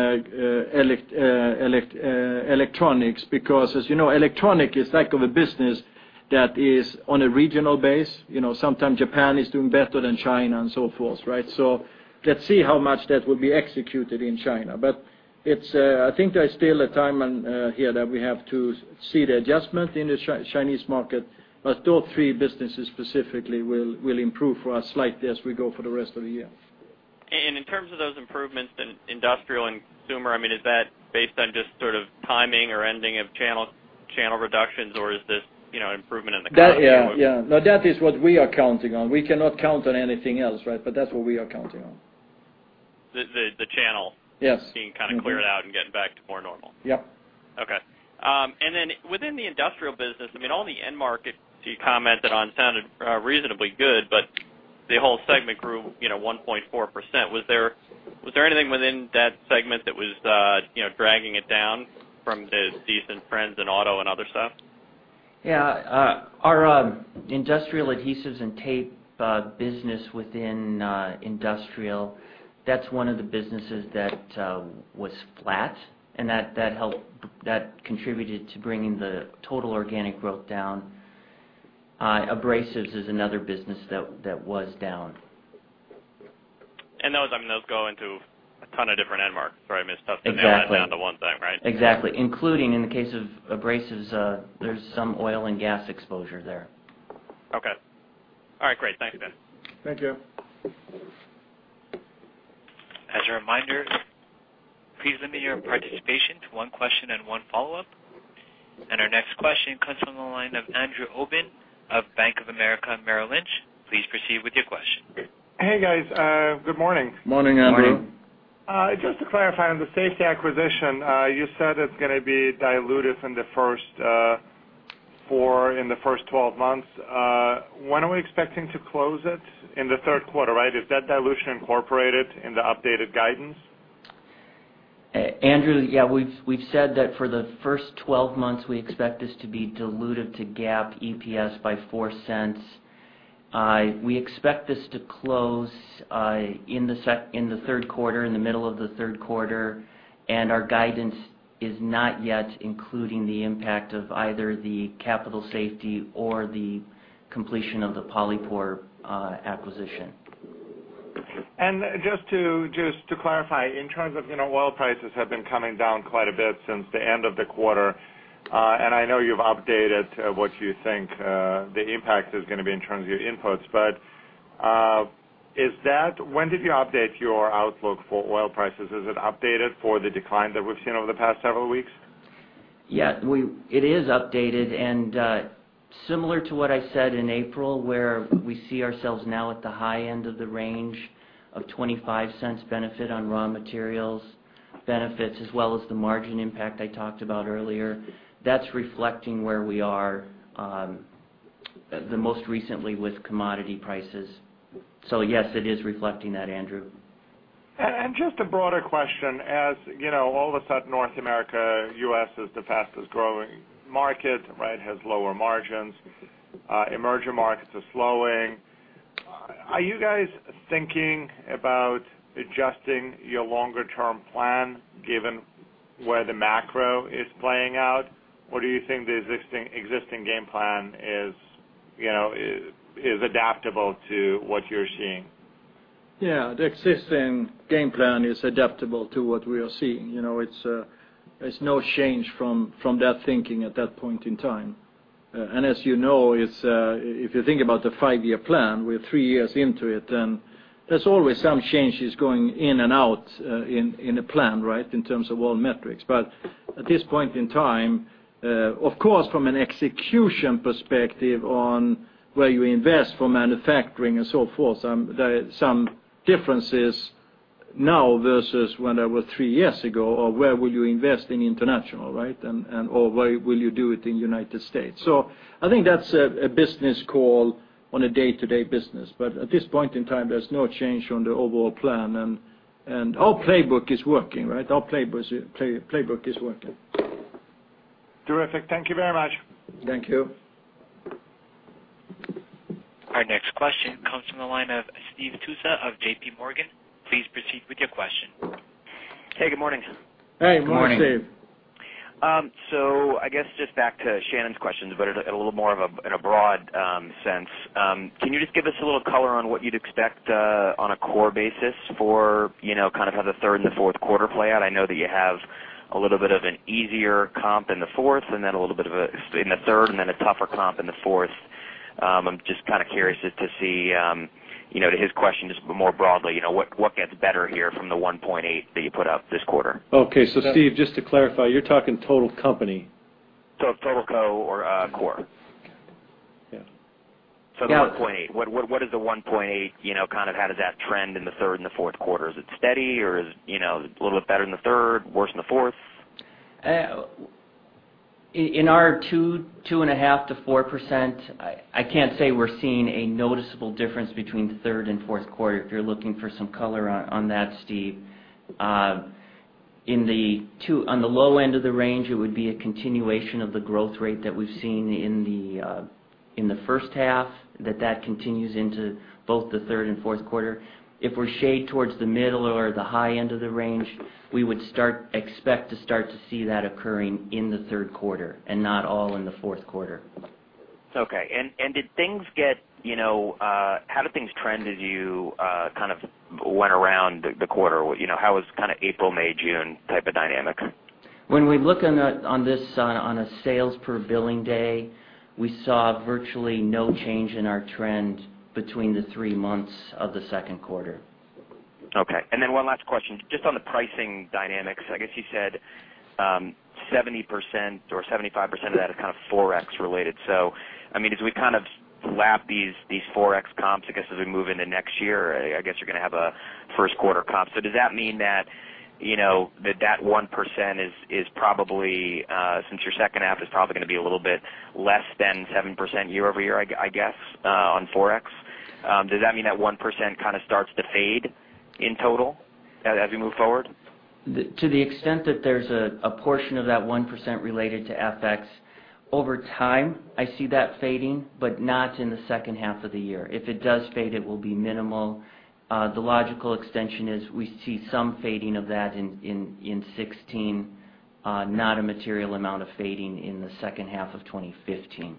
Electronics because, as you know, Electronics is like of a business that is on a regional base. Sometimes Japan is doing better than China and so forth. Let's see how much that will be executed in China. I think there's still a time here that we have to see the adjustment in the Chinese market. Those three businesses specifically will improve for us slightly as we go for the rest of the year. In terms of those improvements in Industrial and Consumer, is that based on just sort of timing or ending of channel reductions or is this an improvement in the economy? That, yeah. No, that is what we are counting on. We cannot count on anything else, right? That's what we are counting on. The channel. Yes. -being kind of cleared out and getting back to more normal. Yep. Okay. Then within the Industrial business, all the end markets you commented on sounded reasonably good, but the whole segment grew 1.4%. Was there anything within that segment that was dragging it down from the decent trends in auto and other stuff? Yeah. Our Industrial Adhesives & Tapes business within Industrial, that's one of the businesses that was flat, and that contributed to bringing the total organic growth down. Abrasives is another business that was down. Those go into a ton of different end markets, sorry I missed that. Exactly. Not the one thing, right? Exactly. Including in the case of Abrasives, there's some oil and gas exposure there. Okay. All right, great. Thanks, guys. Thank you. As a reminder, please limit your participation to one question and one follow-up. Our next question comes from the line of Andrew Obin of Bank of America, Merrill Lynch. Please proceed with your question. Hey, guys. Good morning. Morning, Andrew. Morning. Just to clarify on the safety acquisition, you said it's going to be dilutive in the first 12 months. When are we expecting to close it? In the third quarter, right? Is that dilution incorporated in the updated guidance? Andrew, we've said that for the first 12 months, we expect this to be dilutive to GAAP EPS by $0.04. We expect this to close in the third quarter, in the middle of the third quarter. Our guidance is not yet including the impact of either the Capital Safety or the completion of the Polypore acquisition. Just to clarify, in terms of oil prices have been coming down quite a bit since the end of the quarter. I know you've updated what you think the impact is going to be in terms of your inputs. When did you update your outlook for oil prices? Is it updated for the decline that we've seen over the past several weeks? It is updated, similar to what I said in April, where we see ourselves now at the high end of the range of $0.25 benefit on raw materials benefits, as well as the margin impact I talked about earlier. That's reflecting where we are, the most recently with commodity prices. Yes, it is reflecting that, Andrew. Just a broader question, as you know, all of a sudden, North America, U.S. is the fastest-growing market, has lower margins. Emerging markets are slowing. Are you guys thinking about adjusting your longer-term plan given where the macro is playing out? Do you think the existing game plan is adaptable to what you're seeing? The existing game plan is adaptable to what we are seeing. There's no change from that thinking at that point in time. As you know, if you think about the five-year plan, we're three years into it, and there's always some changes going in and out in a plan in terms of all metrics. At this point in time, of course, from an execution perspective on where you invest for manufacturing and so forth, there are some differences now versus when they were three years ago, or where will you invest in international, right? Where will you do it in United States? I think that's a business call on a day-to-day business, but at this point in time, there's no change on the overall plan, and our playbook is working, right? Our playbook is working. Terrific. Thank you very much. Thank you. Our next question comes from the line of Steve Tusa of JP Morgan. Please proceed with your question. Hey, good morning. Hey, good morning, Steve. Morning. I guess just back to Shannon's questions, but at a little more of a broad sense. Can you just give us a little color on what you'd expect on a core basis for kind of how the third and the fourth quarter play out? I know that you have a little bit of an easier comp in the fourth and then a little bit in the third, and then a tougher comp in the fourth. I'm just kind of curious just to see, to his question, just more broadly, what gets better here from the 1.8 that you put up this quarter? Okay. Steve, just to clarify, you're talking total company. Total co or core. Yeah. The 1.8. What is the 1.8, kind of how does that trend in the third and the fourth quarter? Is it steady or is it a little bit better in the third, worse in the fourth? In our 2.5%-4%, I can't say we're seeing a noticeable difference between third and fourth quarter, if you're looking for some color on that, Steve. On the low end of the range, it would be a continuation of the growth rate that we've seen in the first half that continues into both the third and fourth quarter. If we're shaded towards the middle or the high end of the range, we would expect to start to see that occurring in the third quarter and not all in the fourth quarter. Okay. How do things trend as you kind of went around the quarter? How was kind of April, May, June type of dynamics? When we look on this on a sales per billing day, we saw virtually no change in our trend between the three months of the second quarter. Okay. One last question, just on the pricing dynamics. I guess you said 70% or 75% of that is kind of FX related. As we kind of lap these FX comps, I guess, as we move into next year, I guess you're going to have a first quarter comp. Does that mean that 1%, since your second half is probably going to be a little bit less than 7% year-over-year, I guess, on FX, does that mean that 1% kind of starts to fade in total as we move forward? To the extent that there's a portion of that 1% related to FX, over time, I see that fading, but not in the second half of the year. If it does fade, it will be minimal. The logical extension is we see some fading of that in 2016, not a material amount of fading in the second half of 2015.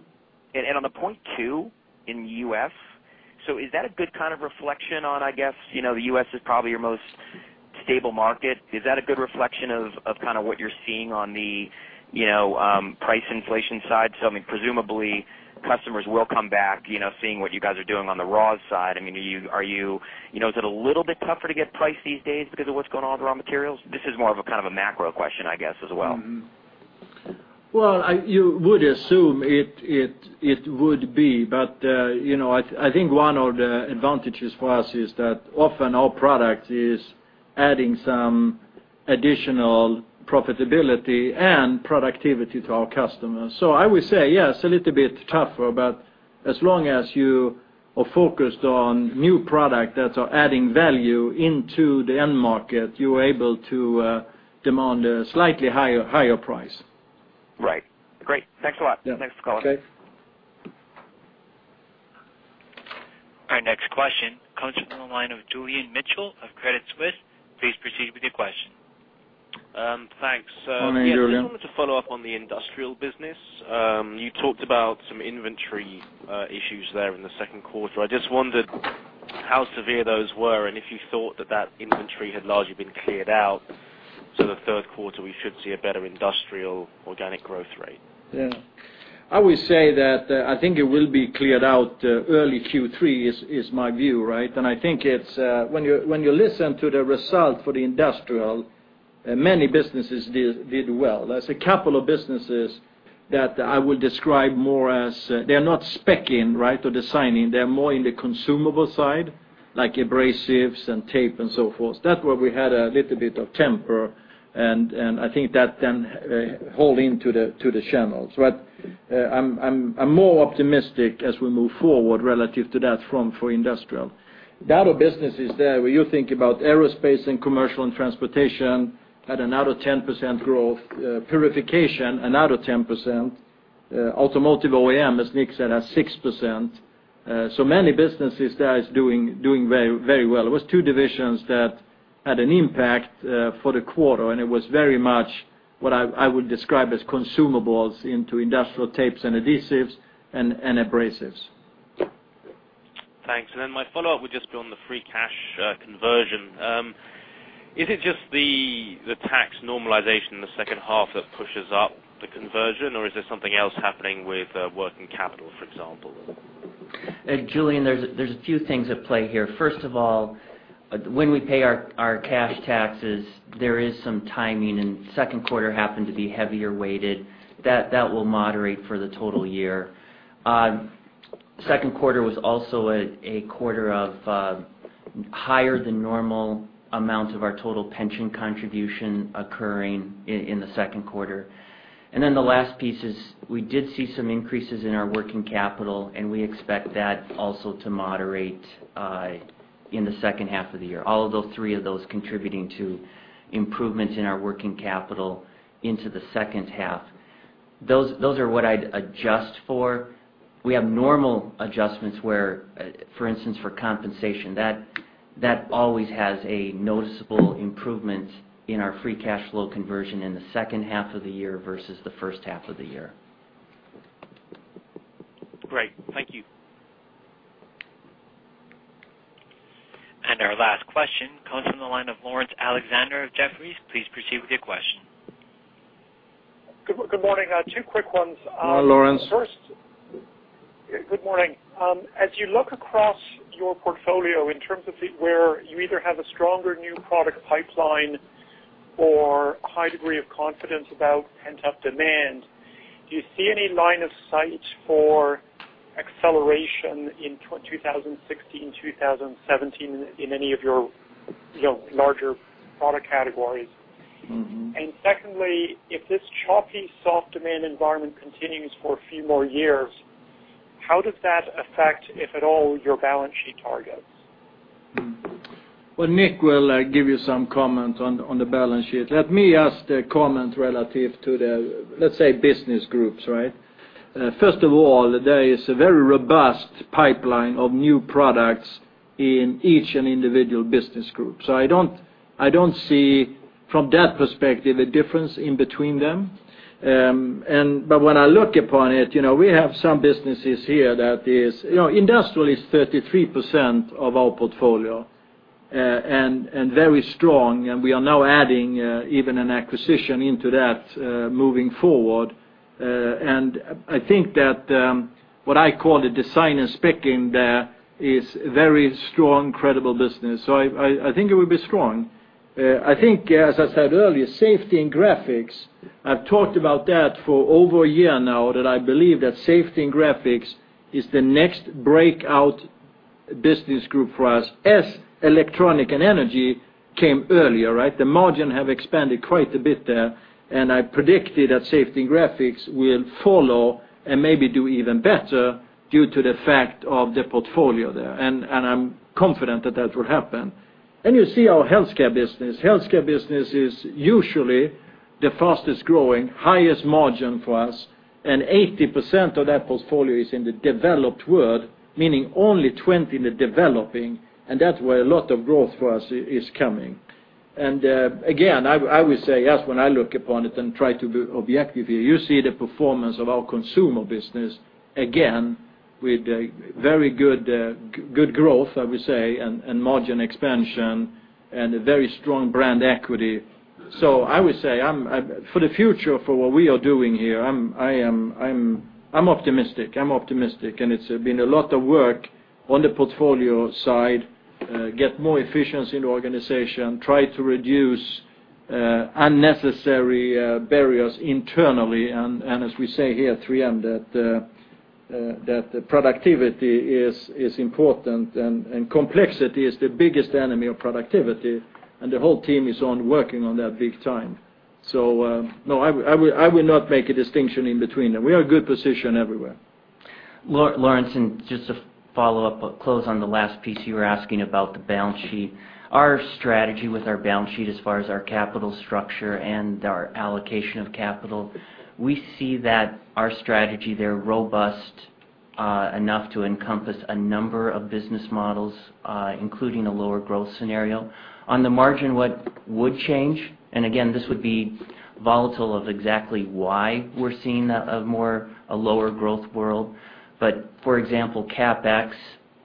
On the 0.2 in the U.S., is that a good kind of reflection on, I guess, the U.S. is probably your most stable market. Is that a good reflection of what you're seeing on the price inflation side? Presumably customers will come back, seeing what you guys are doing on the raw side. Is it a little bit tougher to get price these days because of what's going on with raw materials? This is more of a kind of a macro question, I guess, as well. You would assume it would be, but I think one of the advantages for us is that often our product is adding some additional profitability and productivity to our customers. I would say yes, a little bit tougher, but as long as you are focused on new product that are adding value into the end market, you are able to demand a slightly higher price. Right. Great. Thanks a lot. Yeah. Thanks for calling. Okay. Our next question comes from the line of Julian Mitchell of Credit Suisse. Please proceed with your question. Thanks. Morning, Julian. I just wanted to follow up on the Industrial business. You talked about some inventory issues there in the second quarter. I just wondered how severe those were and if you thought that that inventory had largely been cleared out. The third quarter, we should see a better Industrial organic growth rate. Yeah. I would say that I think it will be cleared out early Q3 is my view. I think when you listen to the result for the Industrial, many businesses did well. There's a couple of businesses that I would describe more as they're not specking or designing. They're more in the consumable side, like Abrasives and tape and so forth. That where we had a little bit of impact, and I think that then hold into the channels. I'm more optimistic as we move forward relative to that front for Industrial. The other businesses there, where you think about Aerospace and Commercial Transportation, had another 10% growth. Purification, another 10%. Automotive OEM, as Nick said, has 6%. Many businesses there is doing very well. It was two divisions that had an impact for the quarter. It was very much what I would describe as consumables into Industrial Adhesives & Tapes and Abrasives. Thanks. My follow-up would just be on the free cash conversion. Is it just the tax normalization in the second half that pushes up the conversion, or is there something else happening with working capital, for example? Julian, there's a few things at play here. First of all, when we pay our cash taxes, there is some timing, and second quarter happened to be heavier weighted. That will moderate for the total year. Second quarter was also a quarter of higher than normal amounts of our total pension contribution occurring in the second quarter. The last piece is we did see some increases in our working capital, and we expect that also to moderate in the second half of the year. All three of those contributing to improvements in our working capital into the second half. Those are what I'd adjust for. We have normal adjustments where, for instance, for compensation, that always has a noticeable improvement in our free cash flow conversion in the second half of the year versus the first half of the year. Great. Thank you. Our last question comes from the line of Laurence Alexander of Jefferies. Please proceed with your question. Good morning. Two quick ones. Good morning, Laurence. Secondly, as you look across your portfolio in terms of where you either have a stronger new product pipeline or high degree of confidence about pent-up demand, do you see any line of sight for acceleration in 2016, 2017 in any of your larger product categories? Secondly, if this choppy soft demand environment continues for a few more years, how does that affect, if at all, your balance sheet targets? Well, Nick will give you some comment on the balance sheet. Let me ask the comment relative to the, let's say, business groups. First of all, there is a very robust pipeline of new products in each individual business group. I don't see from that perspective a difference in between them. When I look upon it, we have some businesses here. Industrial is 33% of our portfolio. Very strong, and we are now adding even an acquisition into that, moving forward. I think that what I call the design and spec-in there is very strong, credible business. I think it will be strong. I think, as I said earlier, Safety and Graphics, I've talked about that for over a year now, that I believe that Safety and Graphics is the next breakout business group for us, as Electronics and Energy came earlier, right? The margin have expanded quite a bit there. I predicted that Safety and Graphics will follow and maybe do even better due to the fact of the portfolio there. I'm confident that that will happen. You see our Healthcare business. Healthcare business is usually the fastest-growing, highest margin for us. 80% of that portfolio is in the developed world, meaning only 20 in the developing, and that where a lot of growth for us is coming. Again, I would say, yes, when I look upon it and try to be objective here, you see the performance of our Consumer business, again, with a very good growth, I would say, and margin expansion and a very strong brand equity. I would say, for the future, for what we are doing here, I'm optimistic. I'm optimistic. It's been a lot of work on the portfolio side, get more efficiency in the organization, try to reduce unnecessary barriers internally. As we say here at 3M, that the productivity is important and complexity is the biggest enemy of productivity. The whole team is on working on that big time. No, I will not make a distinction in between them. We are in a good position everywhere. Laurence, just to follow up or close on the last piece you were asking about the balance sheet. Our strategy with our balance sheet as far as our capital structure and our allocation of capital, we see that our strategy there robust enough to encompass a number of business models, including a lower growth scenario. On the margin, what would change. Again, this would be volatile of exactly why we're seeing a lower growth world. For example, CapEx,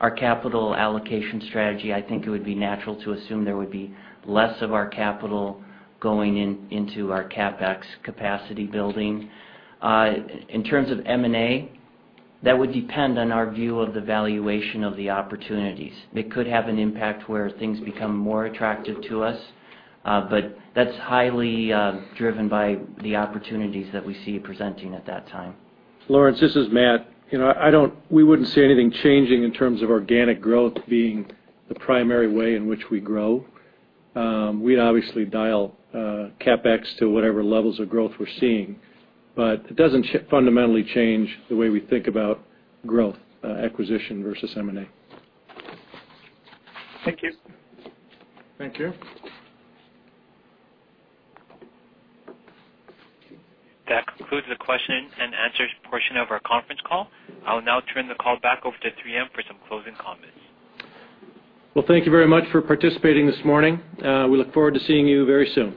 our capital allocation strategy, I think it would be natural to assume there would be less of our capital going into our CapEx capacity building. In terms of M&A, that would depend on our view of the valuation of the opportunities. It could have an impact where things become more attractive to us, but that's highly driven by the opportunities that we see presenting at that time. Laurence Alexander, this is Matt Ginter. We wouldn't see anything changing in terms of organic growth being the primary way in which we grow. We'd obviously dial CapEx to whatever levels of growth we're seeing. It doesn't fundamentally change the way we think about growth, acquisition versus M&A. Thank you. Thank you. That concludes the question and answers portion of our conference call. I will now turn the call back over to 3M for some closing comments. Well, thank you very much for participating this morning. We look forward to seeing you very soon